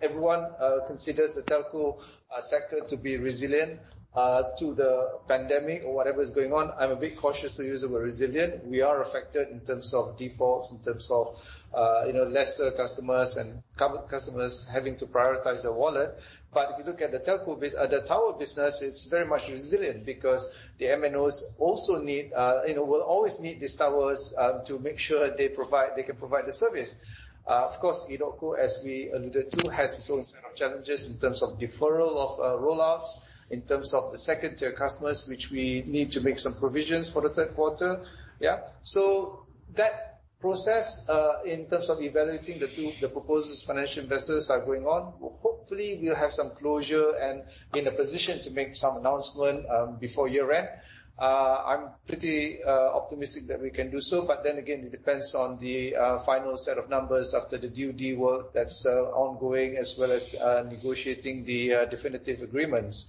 everyone considers the telco sector to be resilient to the pandemic or whatever's going on. I'm a bit cautious to use the word resilient. We are affected in terms of defaults, in terms of lesser customers and customers having to prioritize their wallet. If you look at the tower business, it's very much resilient because the MNOs will always need these towers to make sure they can provide the service. Of course, Edotco, as we alluded to, has its own set of challenges in terms of deferral of roll-outs, in terms of the Tier 2 customers, which we need to make some provisions for the third quarter. That process, in terms of evaluating the two, the proposals, financial investors are going on. Hopefully we'll have some closure and be in a position to make some announcement before year-end. I'm pretty optimistic that we can do so, but then again, it depends on the final set of numbers after the due diligence work that's ongoing, as well as negotiating the definitive agreements.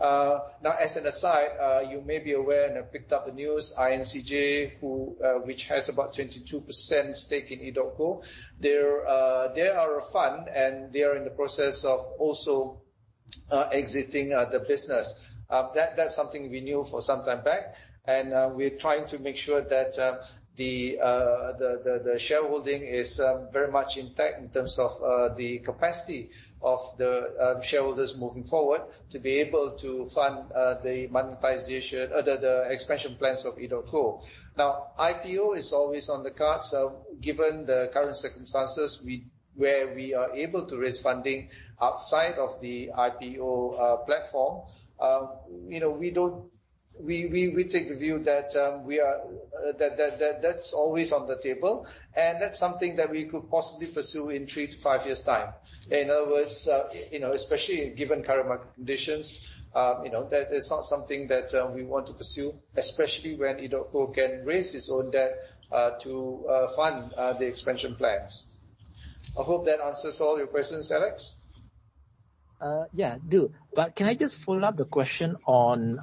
As an aside, you may be aware and have picked up the news, INCJ, which has about 22% stake in Edotco. They are a fund, and they are in the process of also exiting the business. That's something we knew for some time back, and we're trying to make sure that the shareholding is very much intact in terms of the capacity of the shareholders moving forward to be able to fund the expansion plans of Edotco. IPO is always on the cards. Given the current circumstances where we are able to raise funding outside of the IPO platform, we take the view that that's always on the table, and that's something that we could possibly pursue in three to five years' time. In other words, especially given current market conditions, that is not something that we want to pursue, especially when Edotco can raise its own debt to fund the expansion plans. I hope that answers all your questions, Alex. Yeah, it do. Can I just follow up the question on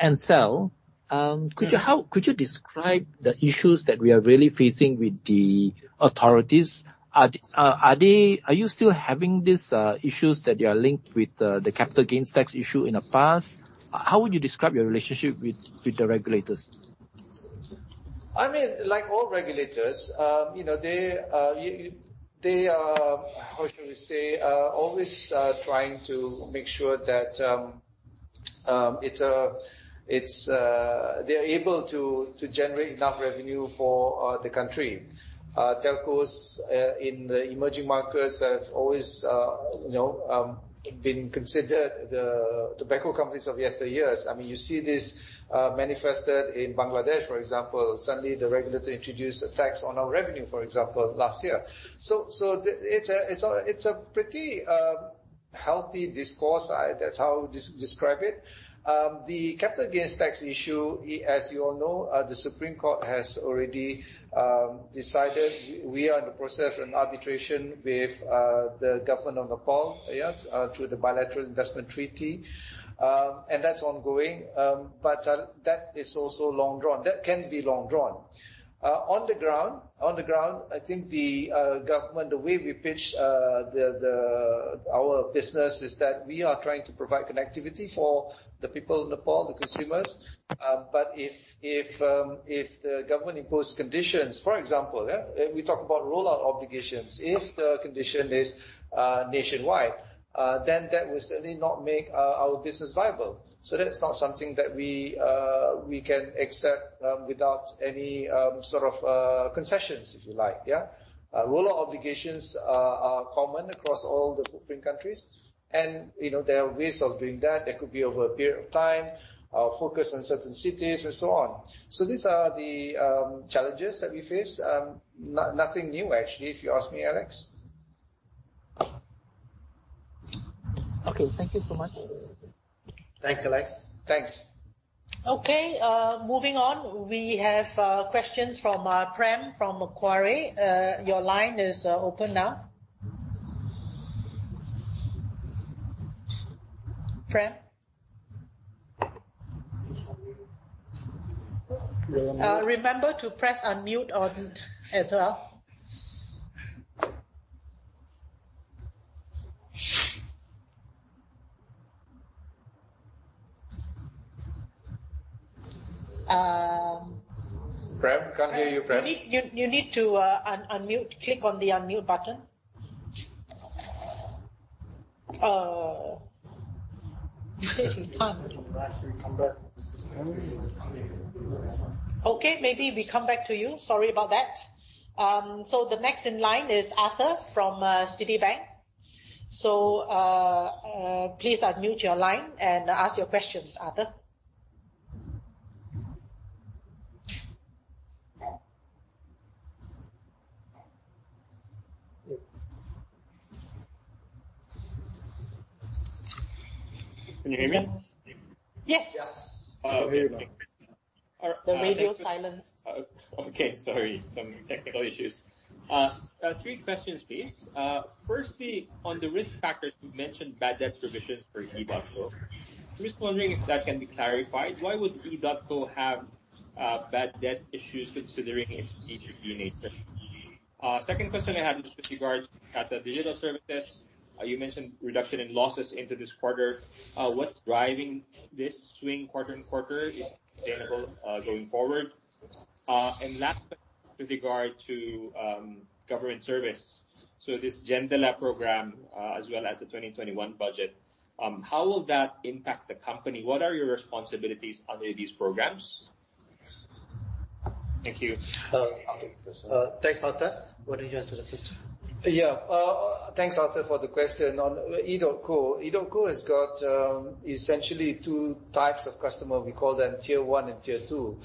Ncell? Yeah. Could you describe the issues that we are really facing with the authorities? Are you still having these issues that you are linked with the capital gains tax issue in the past? How would you describe your relationship with the regulators? All regulators, they are, how should we say, always trying to make sure that they're able to generate enough revenue for the country. Telcos in the emerging markets have always been considered the tobacco companies of yesteryears. You see this manifested in Bangladesh, for example. Suddenly the regulator introduced a tax on our revenue, for example, last year. It's a pretty healthy discourse. That's how I describe it. The capital gains tax issue, as you all know, the Supreme Court has already decided. We are in the process of an arbitration with the government of Nepal through the bilateral investment treaty, and that's ongoing. That is also long drawn. That can be long drawn. On the ground, I think the government, the way we pitch our business is that we are trying to provide connectivity for the people of Nepal, the consumers. If the government imposed conditions, for example, we talk about rollout obligations. If the condition is nationwide, that will certainly not make our business viable. That's not something that we can accept without any sort of concessions, if you like. Rollout obligations are common across all the footprint countries, and there are ways of doing that. That could be over a period of time, focus on certain cities, and so on. These are the challenges that we face. Nothing new, actually, if you ask me, Alex. Okay. Thank you so much. Thanks, Alex. Thanks. Okay. Moving on. We have questions from Prem from Macquarie. Your line is open now. Prem? Remember to press unmute as well. Prem, can't hear you, Prem. You need to unmute. Click on the unmute button. He said he can't. Okay, maybe we come back to you. Sorry about that. The next in line is Arthur from Citibank. Please unmute your line and ask your questions, Arthur. Can you hear me? Yes. Yes. The radio silence. Okay, sorry. Some technical issues. Three questions, please. Firstly, on the risk factors, you mentioned bad debt provisions for Edotco. I'm just wondering if that can be clarified. Why would Edotco have bad debt issues considering its B2B nature? Second question I have is with regards to the digital services. You mentioned reduction in losses into this quarter. What's driving this swing quarter-over-quarter is sustainable going forward? Last but not least, with regard to government service, so this JENDELA program, as well as the 2021 budget, how will that impact the company? What are your responsibilities under these programs? Thank you. I'll take the first one. Thanks, Arthur. Why don't you answer the first one? Yeah. Thanks, Arthur, for the question. On Edotco has got essentially two types of customer. We call them Tier 1 and Tier 2.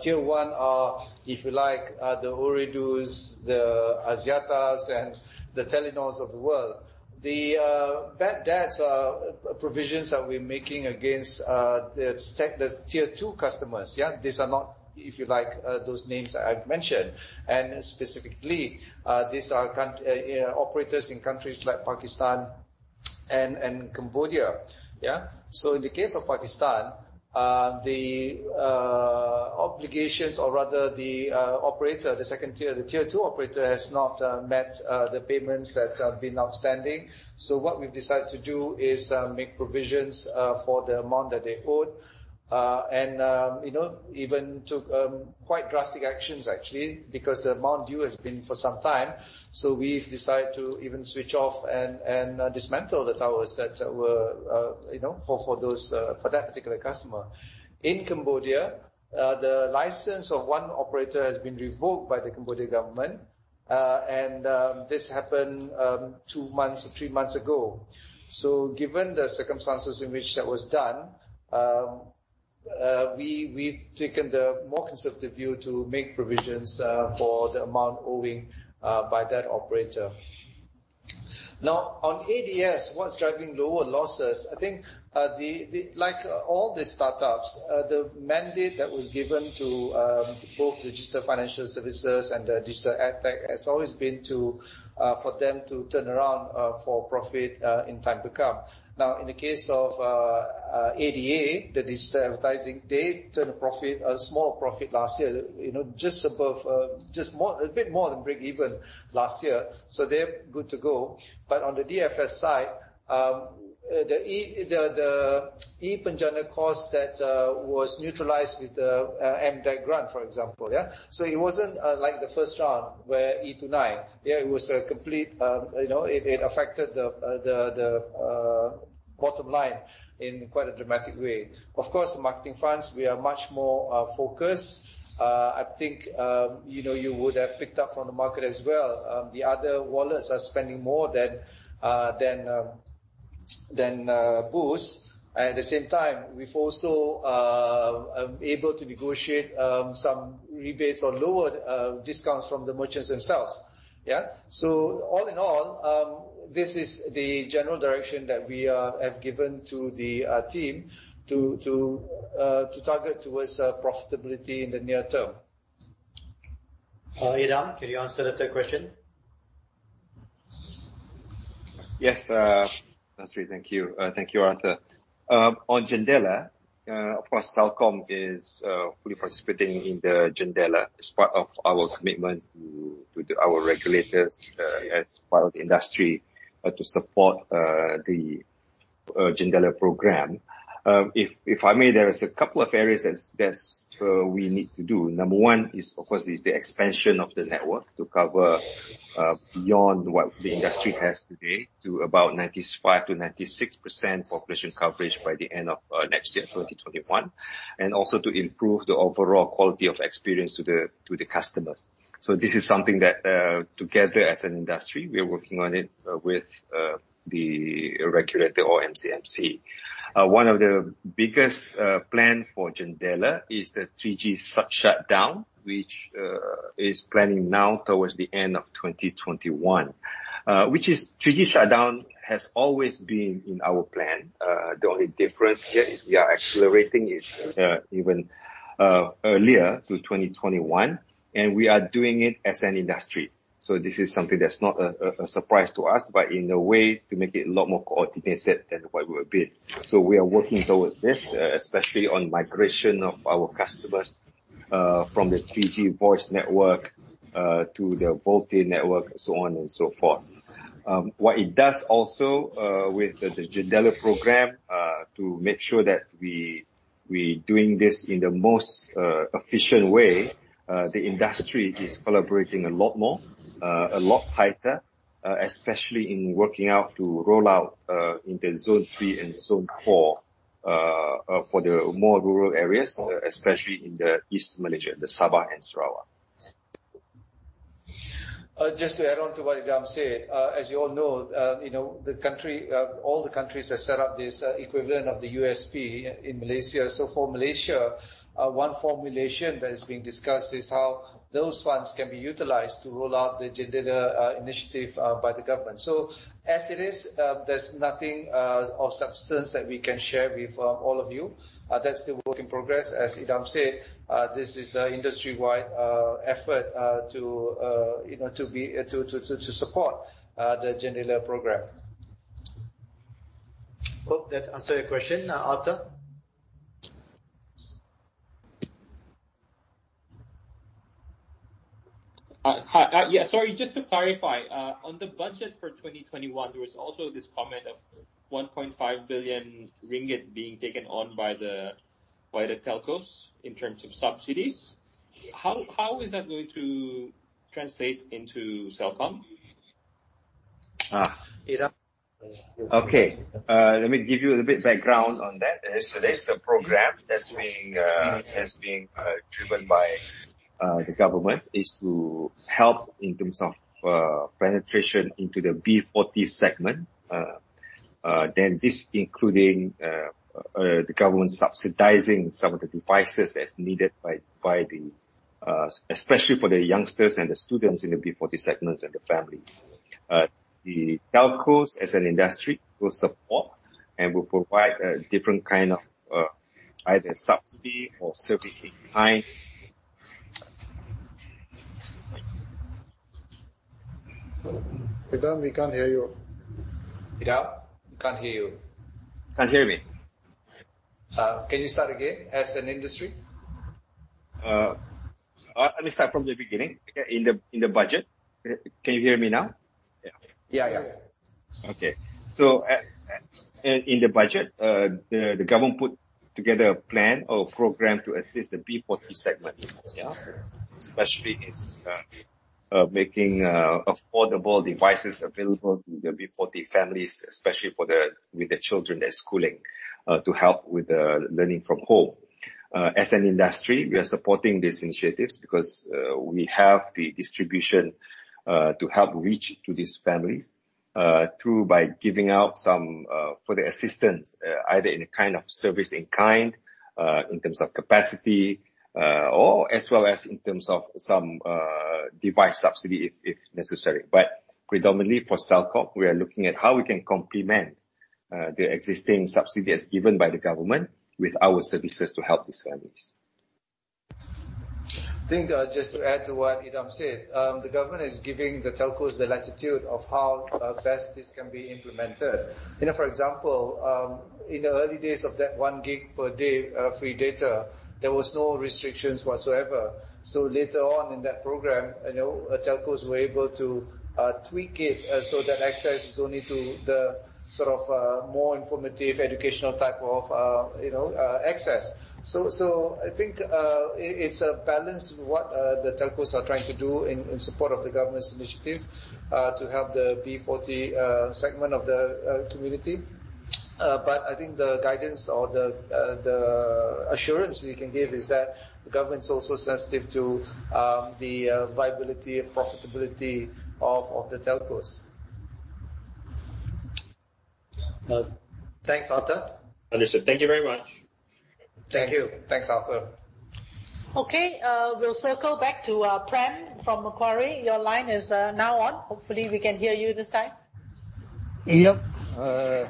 Tier 1 are, if you like, the Ooredoos, the Axiatas, and the Telenors of the world. The bad debts are provisions that we're making against the Tier 2 customers. Yeah. These are not, if you like, those names I've mentioned. Specifically, these are operators in countries like Pakistan and Cambodia. Yeah. In the case of Pakistan, the obligations, or rather the operator, the second tier, the Tier 2 operator, has not met the payments that have been outstanding. What we've decided to do is make provisions for the amount that they owed. Even took quite drastic actions actually, because the amount due has been for some time. We've decided to even switch off and dismantle the towers that were for that particular customer. In Cambodia, the license of one operator has been revoked by the Cambodian government. This happened two months or three months ago. Given the circumstances in which that was done, we've taken the more conservative view to make provisions for the amount owing by that operator. On ADS, what's driving lower losses? I think like all the startups, the mandate that was given to both the digital financial services and the digital AdTech has always been for them to turn around for profit in time to come. In the case of ADA, the digital advertising, they turned a profit, a small profit last year, a bit more than breakeven last year. They're good to go. On the DFS side, the ePENJANA cost that was neutralized with the MDEC grant, for example, yeah. It wasn't like the first round where e-Tunai affected the bottom line in quite a dramatic way. Of course, the marketing funds, we are much more focused. I think you would have picked up from the market as well, the other wallets are spending more than Boost. At the same time, we've also able to negotiate some rebates or lower discounts from the merchants themselves. All in all, this is the general direction that we have given to the team to target towards profitability in the near term. Idham, can you answer the third question? Yes. Thank you. Thank you, Arthur. On JENDELA, of course, Celcom is fully participating in the JENDELA as part of our commitment to our regulators, as part of the industry to support the JENDELA program. If I may, there is a couple of areas that we need to do. Number one is, of course, is the expansion of the network to cover beyond what the industry has today to about 95%-96% population coverage by the end of next year, 2021, and also to improve the overall Quality of Experience to the customers. This is something that, together as an industry, we are working on it with the regulator or MCMC. One of the biggest plan for JENDELA is the 3G shutdown, which is planning now towards the end of 2021. Which is 3G shutdown has always been in our plan. The only difference here is we are accelerating it even earlier to 2021, and we are doing it as an industry. This is something that's not a surprise to us, but in a way to make it a lot more coordinated than what we've been. We are working towards this, especially on migration of our customers from the 3G voice network to the VoLTE network, so on and so forth. What it does also with the JENDELA program to make sure that we doing this in the most efficient way, the industry is collaborating a lot more, a lot tighter, especially in working out to roll out into zone three and zone four for the more rural areas, especially in East Malaysia, the Sabah and Sarawak. Just to add on to what Idham said, as you all know, all the countries have set up this equivalent of the USP in Malaysia. For Malaysia, one formulation that is being discussed is how those funds can be utilized to roll out the JENDELA initiative by the government. As it is, there's nothing of substance that we can share with all of you. That's still work in progress. As Idham said, this is a industry-wide effort to support the JENDELA program. Hope that answer your question. Arthur? Hi. Yeah, sorry, just to clarify, on the budget for 2021, there was also this comment of 1.5 billion ringgit being taken on by the telcos in terms of subsidies. How is that going to translate into Celcom? Idham. Okay. Let me give you a bit background on that. There is a program that has been driven by the government, is to help in terms of penetration into the B40 segment. This including the government subsidizing some of the devices as needed, especially for the youngsters and the students in the B40 segments and the family. The telcos as an industry will support and will provide a different kind of either subsidy or service in kind. Idham, we can't hear you. Idham, we can't hear you. Can't hear me? Can you start again, as an industry? Let me start from the beginning. In the budget. Can you hear me now? Yeah. In the budget, the government put together a plan or program to assist the B40 segment. Especially in making affordable devices available to the B40 families, especially with the children that's schooling, to help with the learning from home. As an industry, we are supporting these initiatives because we have the distribution to help reach to these families through, by giving out some further assistance, either in a kind of service in kind, in terms of capacity, or as well as in terms of some device subsidy if necessary. Predominantly for Celcom, we are looking at how we can complement the existing subsidy as given by the government with our services to help these families. I think just to add to what Idham said, the government is giving the telcos the latitude of how best this can be implemented. For example, in the early days of that one GB per day free data, there was no restrictions whatsoever. Later on in that program, telcos were able to tweak it so that access is only to the more informative educational type of access. I think, it's a balance what the telcos are trying to do in support of the government's initiative, to help the B40 segment of the community. I think the guidance or the assurance we can give is that the government's also sensitive to the viability and profitability of the telcos. Thanks, Arthur. Understood. Thank you very much. Thank you. Thanks, Arthur. Okay. We'll circle back to Prem from Macquarie. Your line is now on. Hopefully, we can hear you this time. Yep. Yeah. I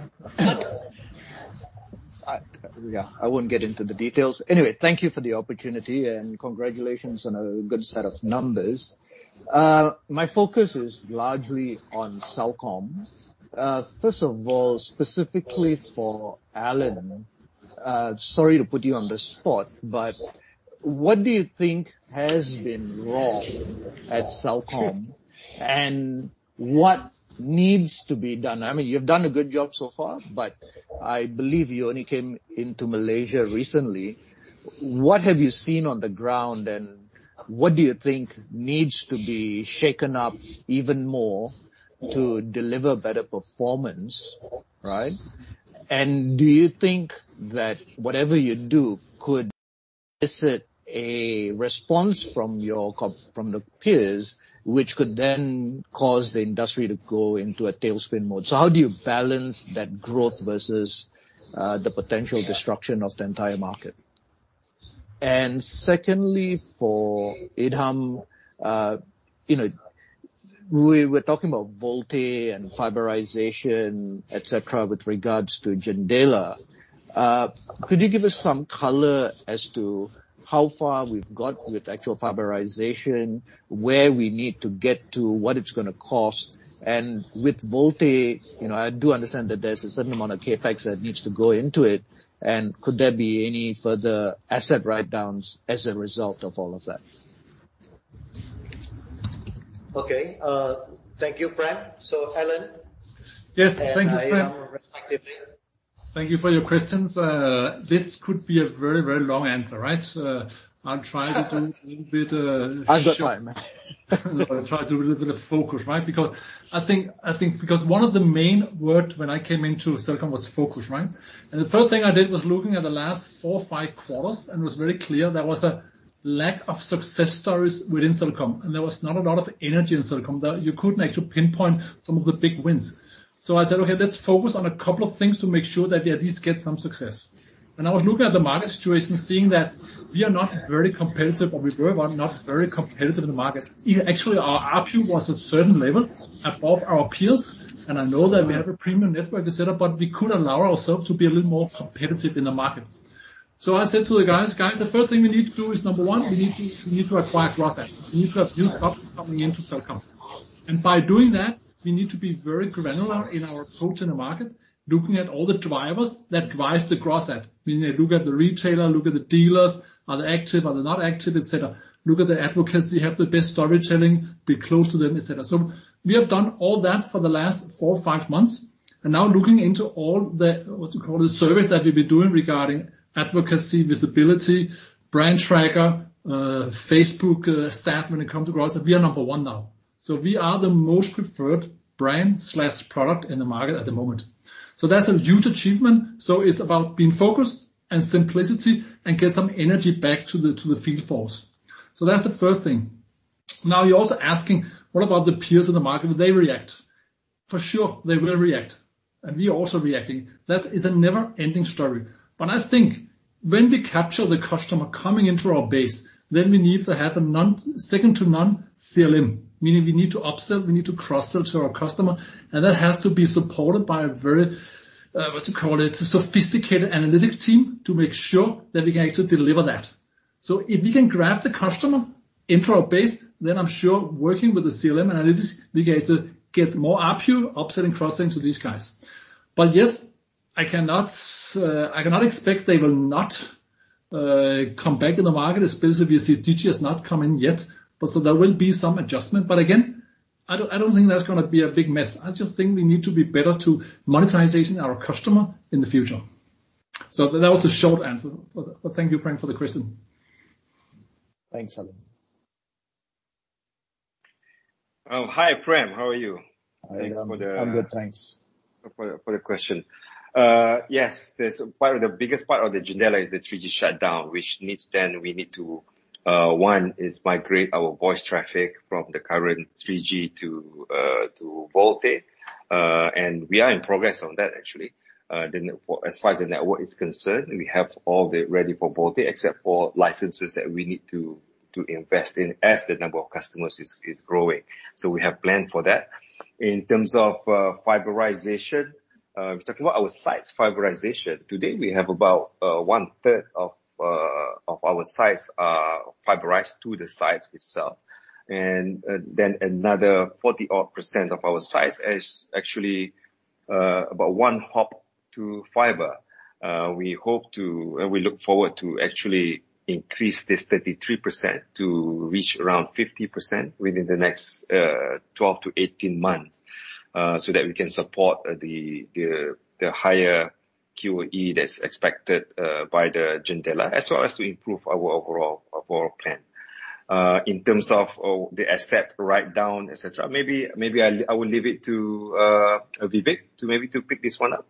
won't get into the details. Anyway, thank you for the opportunity, and congratulations on a good set of numbers. My focus is largely on Celcom. First of all, specifically for Allan. Sorry to put you on the spot, but what do you think has been wrong at Celcom? What needs to be done? You've done a good job so far, but I believe you only came into Malaysia recently. What have you seen on the ground, and what do you think needs to be shaken up even more to deliver better performance, right? Do you think that whatever you do could elicit a response from the peers, which could then cause the industry to go into a tailspin mode? How do you balance that growth versus the potential destruction of the entire market? Secondly, for Idham, we were talking about VoLTE and fiberization, et cetera, with regards to JENDELA. Could you give us some color as to how far we've got with actual fiberization, where we need to get to, what it's going to cost? With VoLTE, I do understand that there's a certain amount of CapEx that needs to go into it, and could there be any further asset write-downs as a result of all of that? Okay. Thank you, Prem. Allan? Yes. Thank you, Prem. Idham respectively. Thank you for your questions. This could be a very long answer, right? I'll try to do a little bit of- I've got time, man. I'll try to do a little bit of focus, right? I think because one of the main word when I came into Celkom was focus, right? The first thing I did was looking at the last four or five quarters, and it was very clear there was a lack of success stories within Celkom, and there was not a lot of energy in Celkom. You couldn't actually pinpoint some of the big wins. I said, "Okay, let's focus on a couple of things to make sure that we at least get some success." I was looking at the market situation, seeing that we are not very competitive, or we were not very competitive in the market. Actually, our ARPU was a certain level above our peers, and I know that we have a premium network et cetera, but we could allow ourselves to be a little more competitive in the market. I said to the guys, "Guys, the first thing we need to do is, number one, we need to acquire cross-sell. We need to have new customers coming into Celkom." By doing that, we need to be very granular in our approach in the market, looking at all the drivers that drive the cross-sell. Meaning they look at the retailer, look at the dealers, are they active, are they not active, et cetera. Look at the advocacy, have the best storytelling, be close to them, et cetera. We have done all that for the last four or five months. Now, looking into all the, what you call, the surveys that we've been doing regarding advocacy, visibility, brand tracker, Facebook stat when it comes to cross-sell. We are number one now. We are the most preferred brand/product in the market at the moment. That's a huge achievement. It's about being focused and simplicity and get some energy back to the field force. That's the first thing. Now, you're also asking, what about the peers in the market? Would they react? For sure, they will react, and we are also reacting. That is a never-ending story. I think when we capture the customer coming into our base, then we need to have a second to none CLM. Meaning we need to upsell, we need to cross-sell to our customer, that has to be supported by a very, what you call it, sophisticated analytics team to make sure that we can actually deliver that. If we can grab the customer into our base, then I'm sure working with the CLM analysis, we get to get more ARPU, upselling, cross-selling to these guys. Yes, I cannot expect they will not come back in the market, especially if you see Digi has not come in yet. There will be some adjustment. Again, I don't think that's gonna be a big mess. I just think we need to be better to monetization our customer in the future. That was the short answer. Thank you, Prem, for the question. Thanks, Allan. Oh, hi, Prem. How are you? Thanks for the- I'm good, thanks. For the question. Yes. The biggest part of the JENDELA is the 3G shutdown, which we need to, one, is migrate our voice traffic from the current 3G to VoLTE. We are in progress on that, actually. As far as the network is concerned, we have all that ready for VoLTE, except for licenses that we need to invest in as the number of customers is growing. We have planned for that. In terms of fiberization, we're talking about our sites fiberization. Today, we have about one-third of our sites fiberized to the sites itself. Another 40 odd percent of our sites is actually about one hop to fiber. We look forward to actually increase this 33% to reach around 50% within the next 12 to 18 months, so that we can support the higher QoE that's expected by the JENDELA, as well as to improve our overall plan. In terms of the asset write down, et cetera, maybe I will leave it to Vivek to maybe to pick this one up.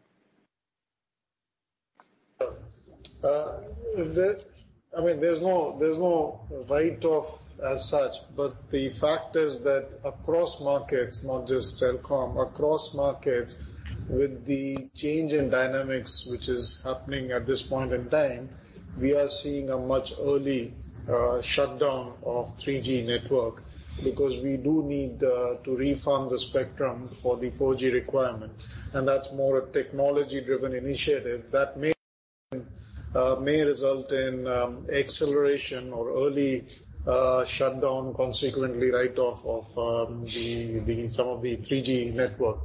I mean, there's no write-off as such, but the fact is that across markets, not just Celcom, across markets with the change in dynamics which is happening at this point in time, we are seeing a much early shutdown of 3G network because we do need to refund the spectrum for the 4G requirement. That's more a technology-driven initiative that may result in acceleration or early shutdown, consequently write-off of some of the 3G network.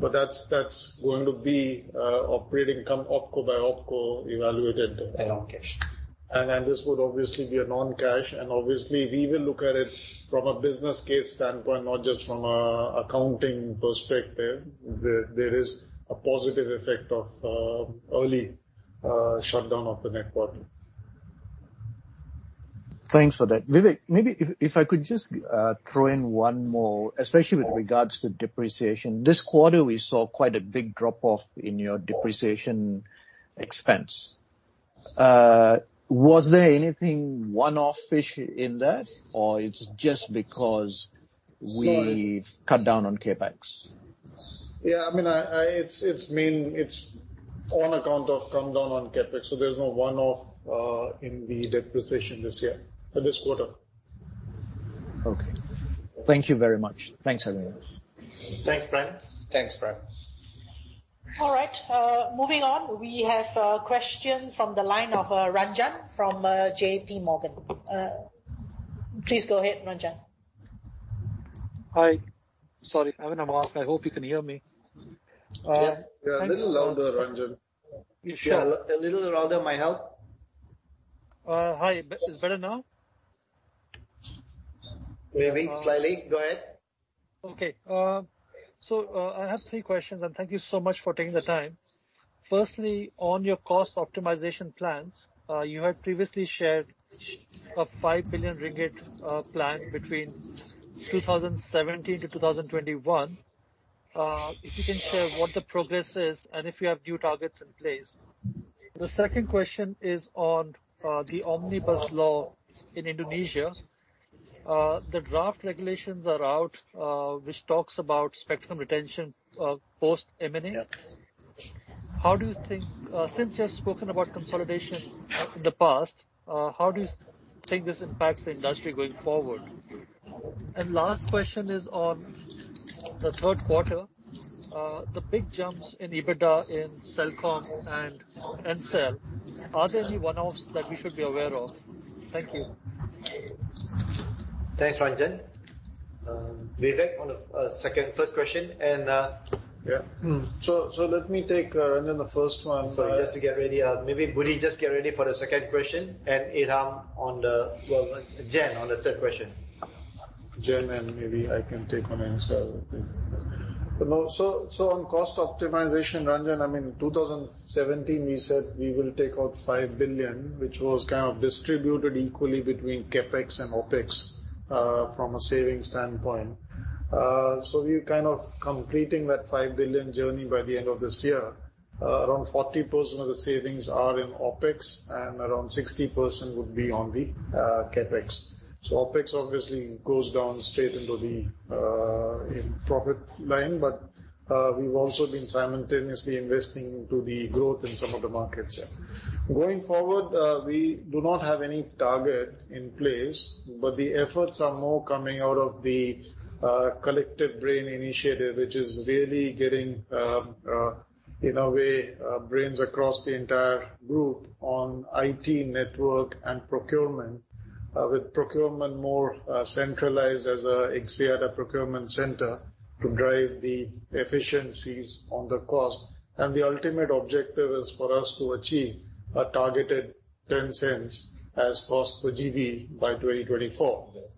That's going to be operating come OpCo by OpCo evaluated. Non-cash. This would obviously be a non-cash, and obviously, we will look at it from a business case standpoint, not just from an accounting perspective. There is a positive effect of early shutdown of the network. Thanks for that. Vivek, maybe if I could just throw in one more, especially with regards to depreciation. This quarter, we saw quite a big drop-off in your depreciation expense. Was there anything one-off-ish in that, or it's just because we've cut down on CapEx? Yeah. I mean, it's on account of come down on CapEx, so there's no one-off in the depreciation this year, or this quarter. Okay. Thank you very much. Thanks, everyone. Thanks, Prem. Thanks, Prem. All right. Moving on, we have questions from the line of Ranjan from JPMorgan. Please go ahead, Ranjan. Hi. Sorry. I'm in a mask. I hope you can hear me. Yeah. A little louder, Ranjan. A little louder might help. Hi. It's better now? Maybe slightly. Go ahead. Okay. I have three questions, and thank you so much for taking the time. Firstly, on your cost optimization plans, you had previously shared a 5 billion ringgit plan between 2017 to 2021. If you can share what the progress is and if you have new targets in place. The second question is on the Omnibus Law in Indonesia. The draft regulations are out, which talks about spectrum retention post M&A. Yeah. Since you have spoken about consolidation in the past, how do you think this impacts the industry going forward? Last question is on the third quarter, the big jumps in EBITDA in Celcom and Ncell. Are there any one-offs that we should be aware of? Thank you. Thanks, Ranjan. Vivek, on the first question. Yeah. Let me take, Ranjan, the first one. Sorry, just to get ready. Maybe Budi, just get ready for the second question, and Idham on the, well, Jennifer on the third question. Jen, and maybe I can take on Ncell. On cost optimization, Ranjan, in 2017, we said we will take out $5 billion, which was kind of distributed equally between CapEx and OpEx, from a savings standpoint. We're kind of completing that $5 billion journey by the end of this year. Around 40% of the savings are in OpEx, and around 60% would be on the CapEx. OpEx obviously goes down straight into the profit line, but we've also been simultaneously investing into the growth in some of the markets. Going forward, we do not have any target in place, but the efforts are more coming out of the Collective Brain initiative, which is really getting, in a way, brains across the entire group on IT network and procurement. With procurement more centralized as Axiata Procurement Center to drive the efficiencies on the cost. The ultimate objective is for us to achieve a targeted 0.10 as cost per GB by 2024. Yes.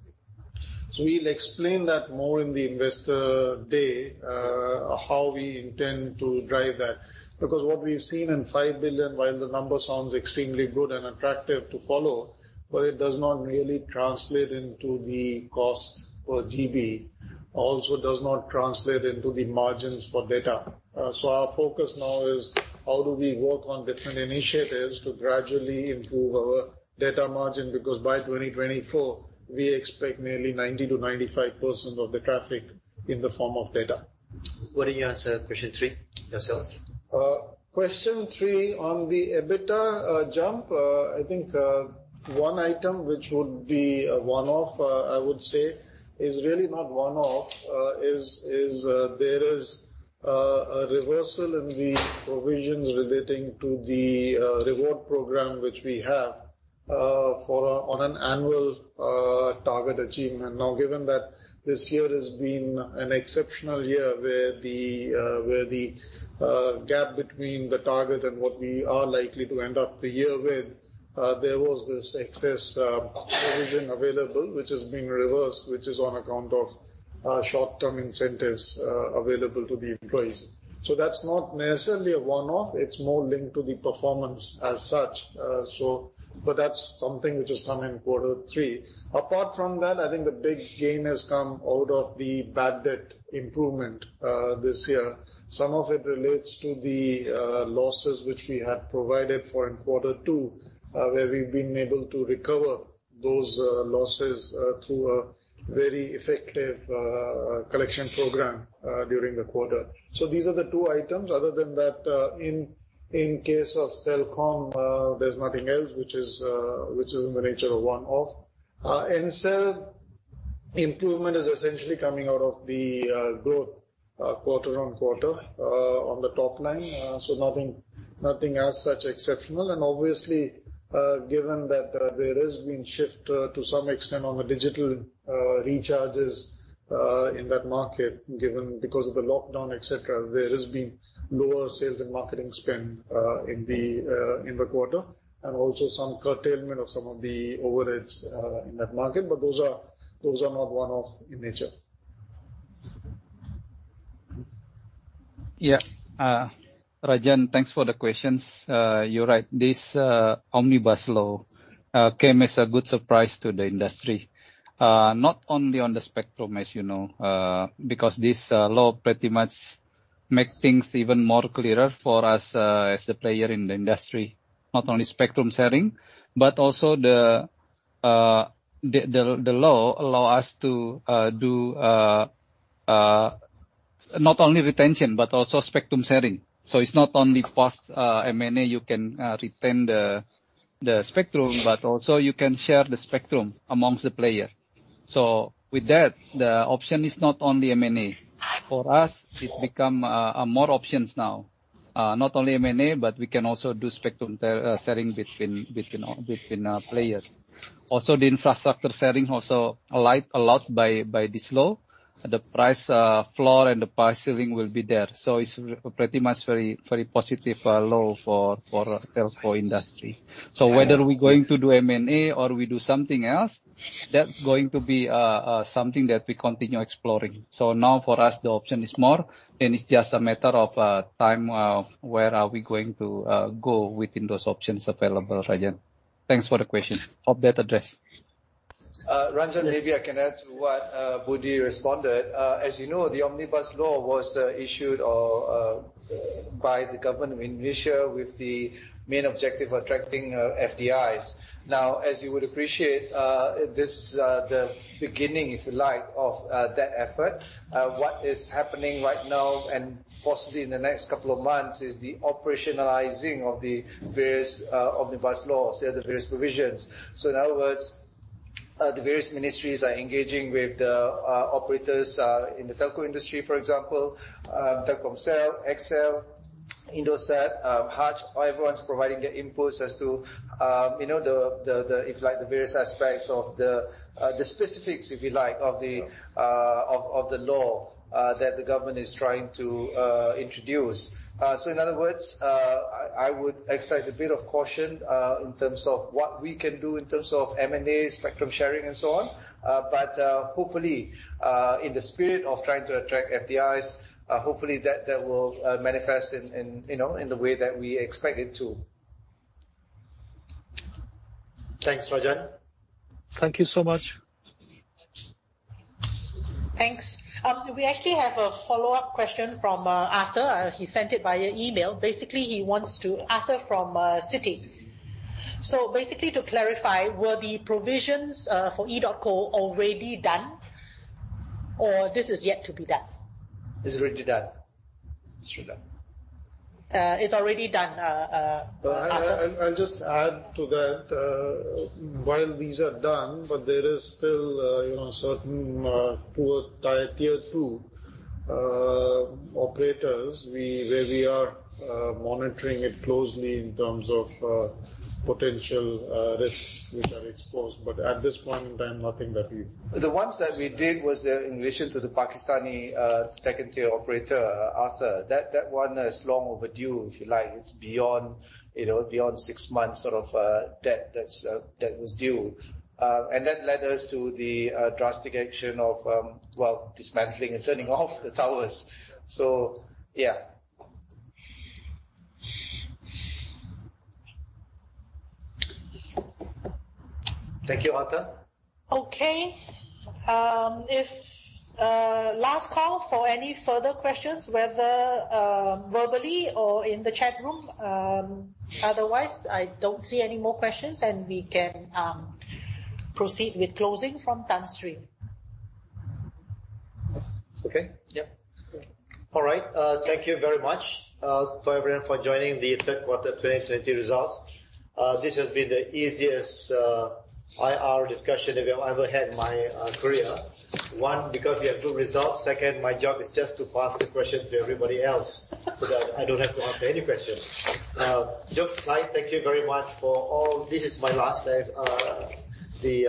We'll explain that more in the Investor Day, how we intend to drive that. What we've seen in $5 billion, while the number sounds extremely good and attractive to follow, but it does not really translate into the cost per GB. It also does not translate into the margins for data. Our focus now is how do we work on different initiatives to gradually improve our data margin, because by 2024, we expect nearly 90%-95% of the traffic in the form of data. Budi, you answer question three? Yes. Question three on the EBITDA jump. I think, one item which would be a one-off, I would say is really not one-off. There is a reversal in the provisions relating to the reward program which we have on an annual target achievement. Given that this year has been an exceptional year, where the gap between the target and what we are likely to end up the year with, there was this excess provision available, which is being reversed, which is on account of short-term incentives available to the employees. That's not necessarily a one-off, it's more linked to the performance as such. That's something which has come in quarter three. Apart from that, I think the big gain has come out of the bad debt improvement this year. Some of it relates to the losses which we had provided for in quarter two, where we've been able to recover those losses through a very effective collection program during the quarter. These are the two items. Other than that, in case of Celcom, there's nothing else which is in the nature of one-off. Ncell improvement is essentially coming out of the growth quarter on quarter, on the top line. Nothing as such exceptional. Obviously, given that there has been shift to some extent on the digital recharges in that market, given because of the lockdown, et cetera. There has been lower sales and marketing spend in the quarter, and also some curtailment of some of the overheads in that market. Those are not one-off in nature. Yeah. Ranjan, thanks for the questions. You're right, this Omnibus Law came as a good surprise to the industry. Not only on the spectrum, as you know. This law pretty much make things even more clearer for us as the player in the industry. Not only spectrum sharing, but also the law allow us to do not only retention but also spectrum sharing. It's not only post M&A you can retain the spectrum, but also you can share the spectrum amongst the player. With that, the option is not only M&A. For us, it become more options now. Not only M&A, but we can also do spectrum sharing between players. Also, the infrastructure setting also aligned a lot by this law. The price floor and the price ceiling will be there. It's pretty much very positive law for telco industry. Whether we going to do M&A or we do something else, that's going to be something that we continue exploring. Now, for us, the option is more, and it's just a matter of time, where are we going to go within those options available, Ranjan? Thanks for the question. Hope that address. Ranjan, maybe I can add to what Budi responded. As you know, the Omnibus Law was issued by the government of Indonesia with the main objective attracting FDI. As you would appreciate, this the beginning, if you like, of that effort. What is happening right now, and possibly in the next couple of months, is the operationalizing of the various Omnibus Laws, the various provisions. In other words, the various ministries are engaging with the operators in the telco industry, for example, Telkomsel, XL, Indosat, Hutch, everyone's providing their inputs as to the, if you like, the various aspects of the specifics, if you like, of the law that the government is trying to introduce. In other words, I would exercise a bit of caution in terms of what we can do in terms of M&A, spectrum sharing, and so on. Hopefully, in the spirit of trying to attract FDIs, hopefully that will manifest in the way that we expect it to. Thanks, Ranjan. Thank you so much. Thanks. We actually have a follow-up question from Arthur. He sent it via email. Basically, Arthur from Citi. Basically, to clarify, were the provisions for Edotco already done, or this is yet to be done? It's already done. It's already done. I'll just add to that. While these are done, but there is still certain poor Tier 2 operators where we are monitoring it closely in terms of potential risks which are exposed. At this point in time, nothing that we The ones that we did was in relation to the Pakistani Tier 2 operator, Arthur. That one is long overdue, if you like. It's beyond six months sort of debt that was due. That led us to the drastic action of dismantling and turning off the towers. Yeah. Thank you, Arthur. Okay. Last call for any further questions, whether verbally or in the chat room. I don't see any more questions, and we can proceed with closing from Tan Sri. Okay. Yep. All right. Thank you very much for everyone for joining the third quarter 2020 results. This has been the easiest IR discussion that I've ever had in my career. One, because we have good results. Second, my job is just to pass the question to everybody else, so that I don't have to answer any questions. Jokes aside, thank you very much for all. This is my last day as the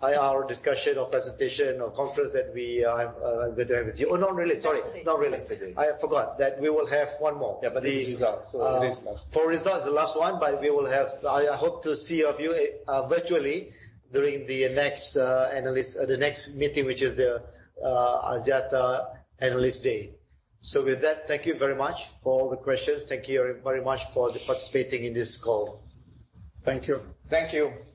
IR discussion or presentation or conference that we have with you. Oh, not really. Sorry. Not really. Last meeting. I forgot that we will have one more. Yeah, this is results, so it is last. For results, the last one. We will have I hope to see of you virtually during the next meeting, which is the Axiata Analyst Day. With that, thank you very much for all the questions. Thank you very much for participating in this call. Thank you. Thank you.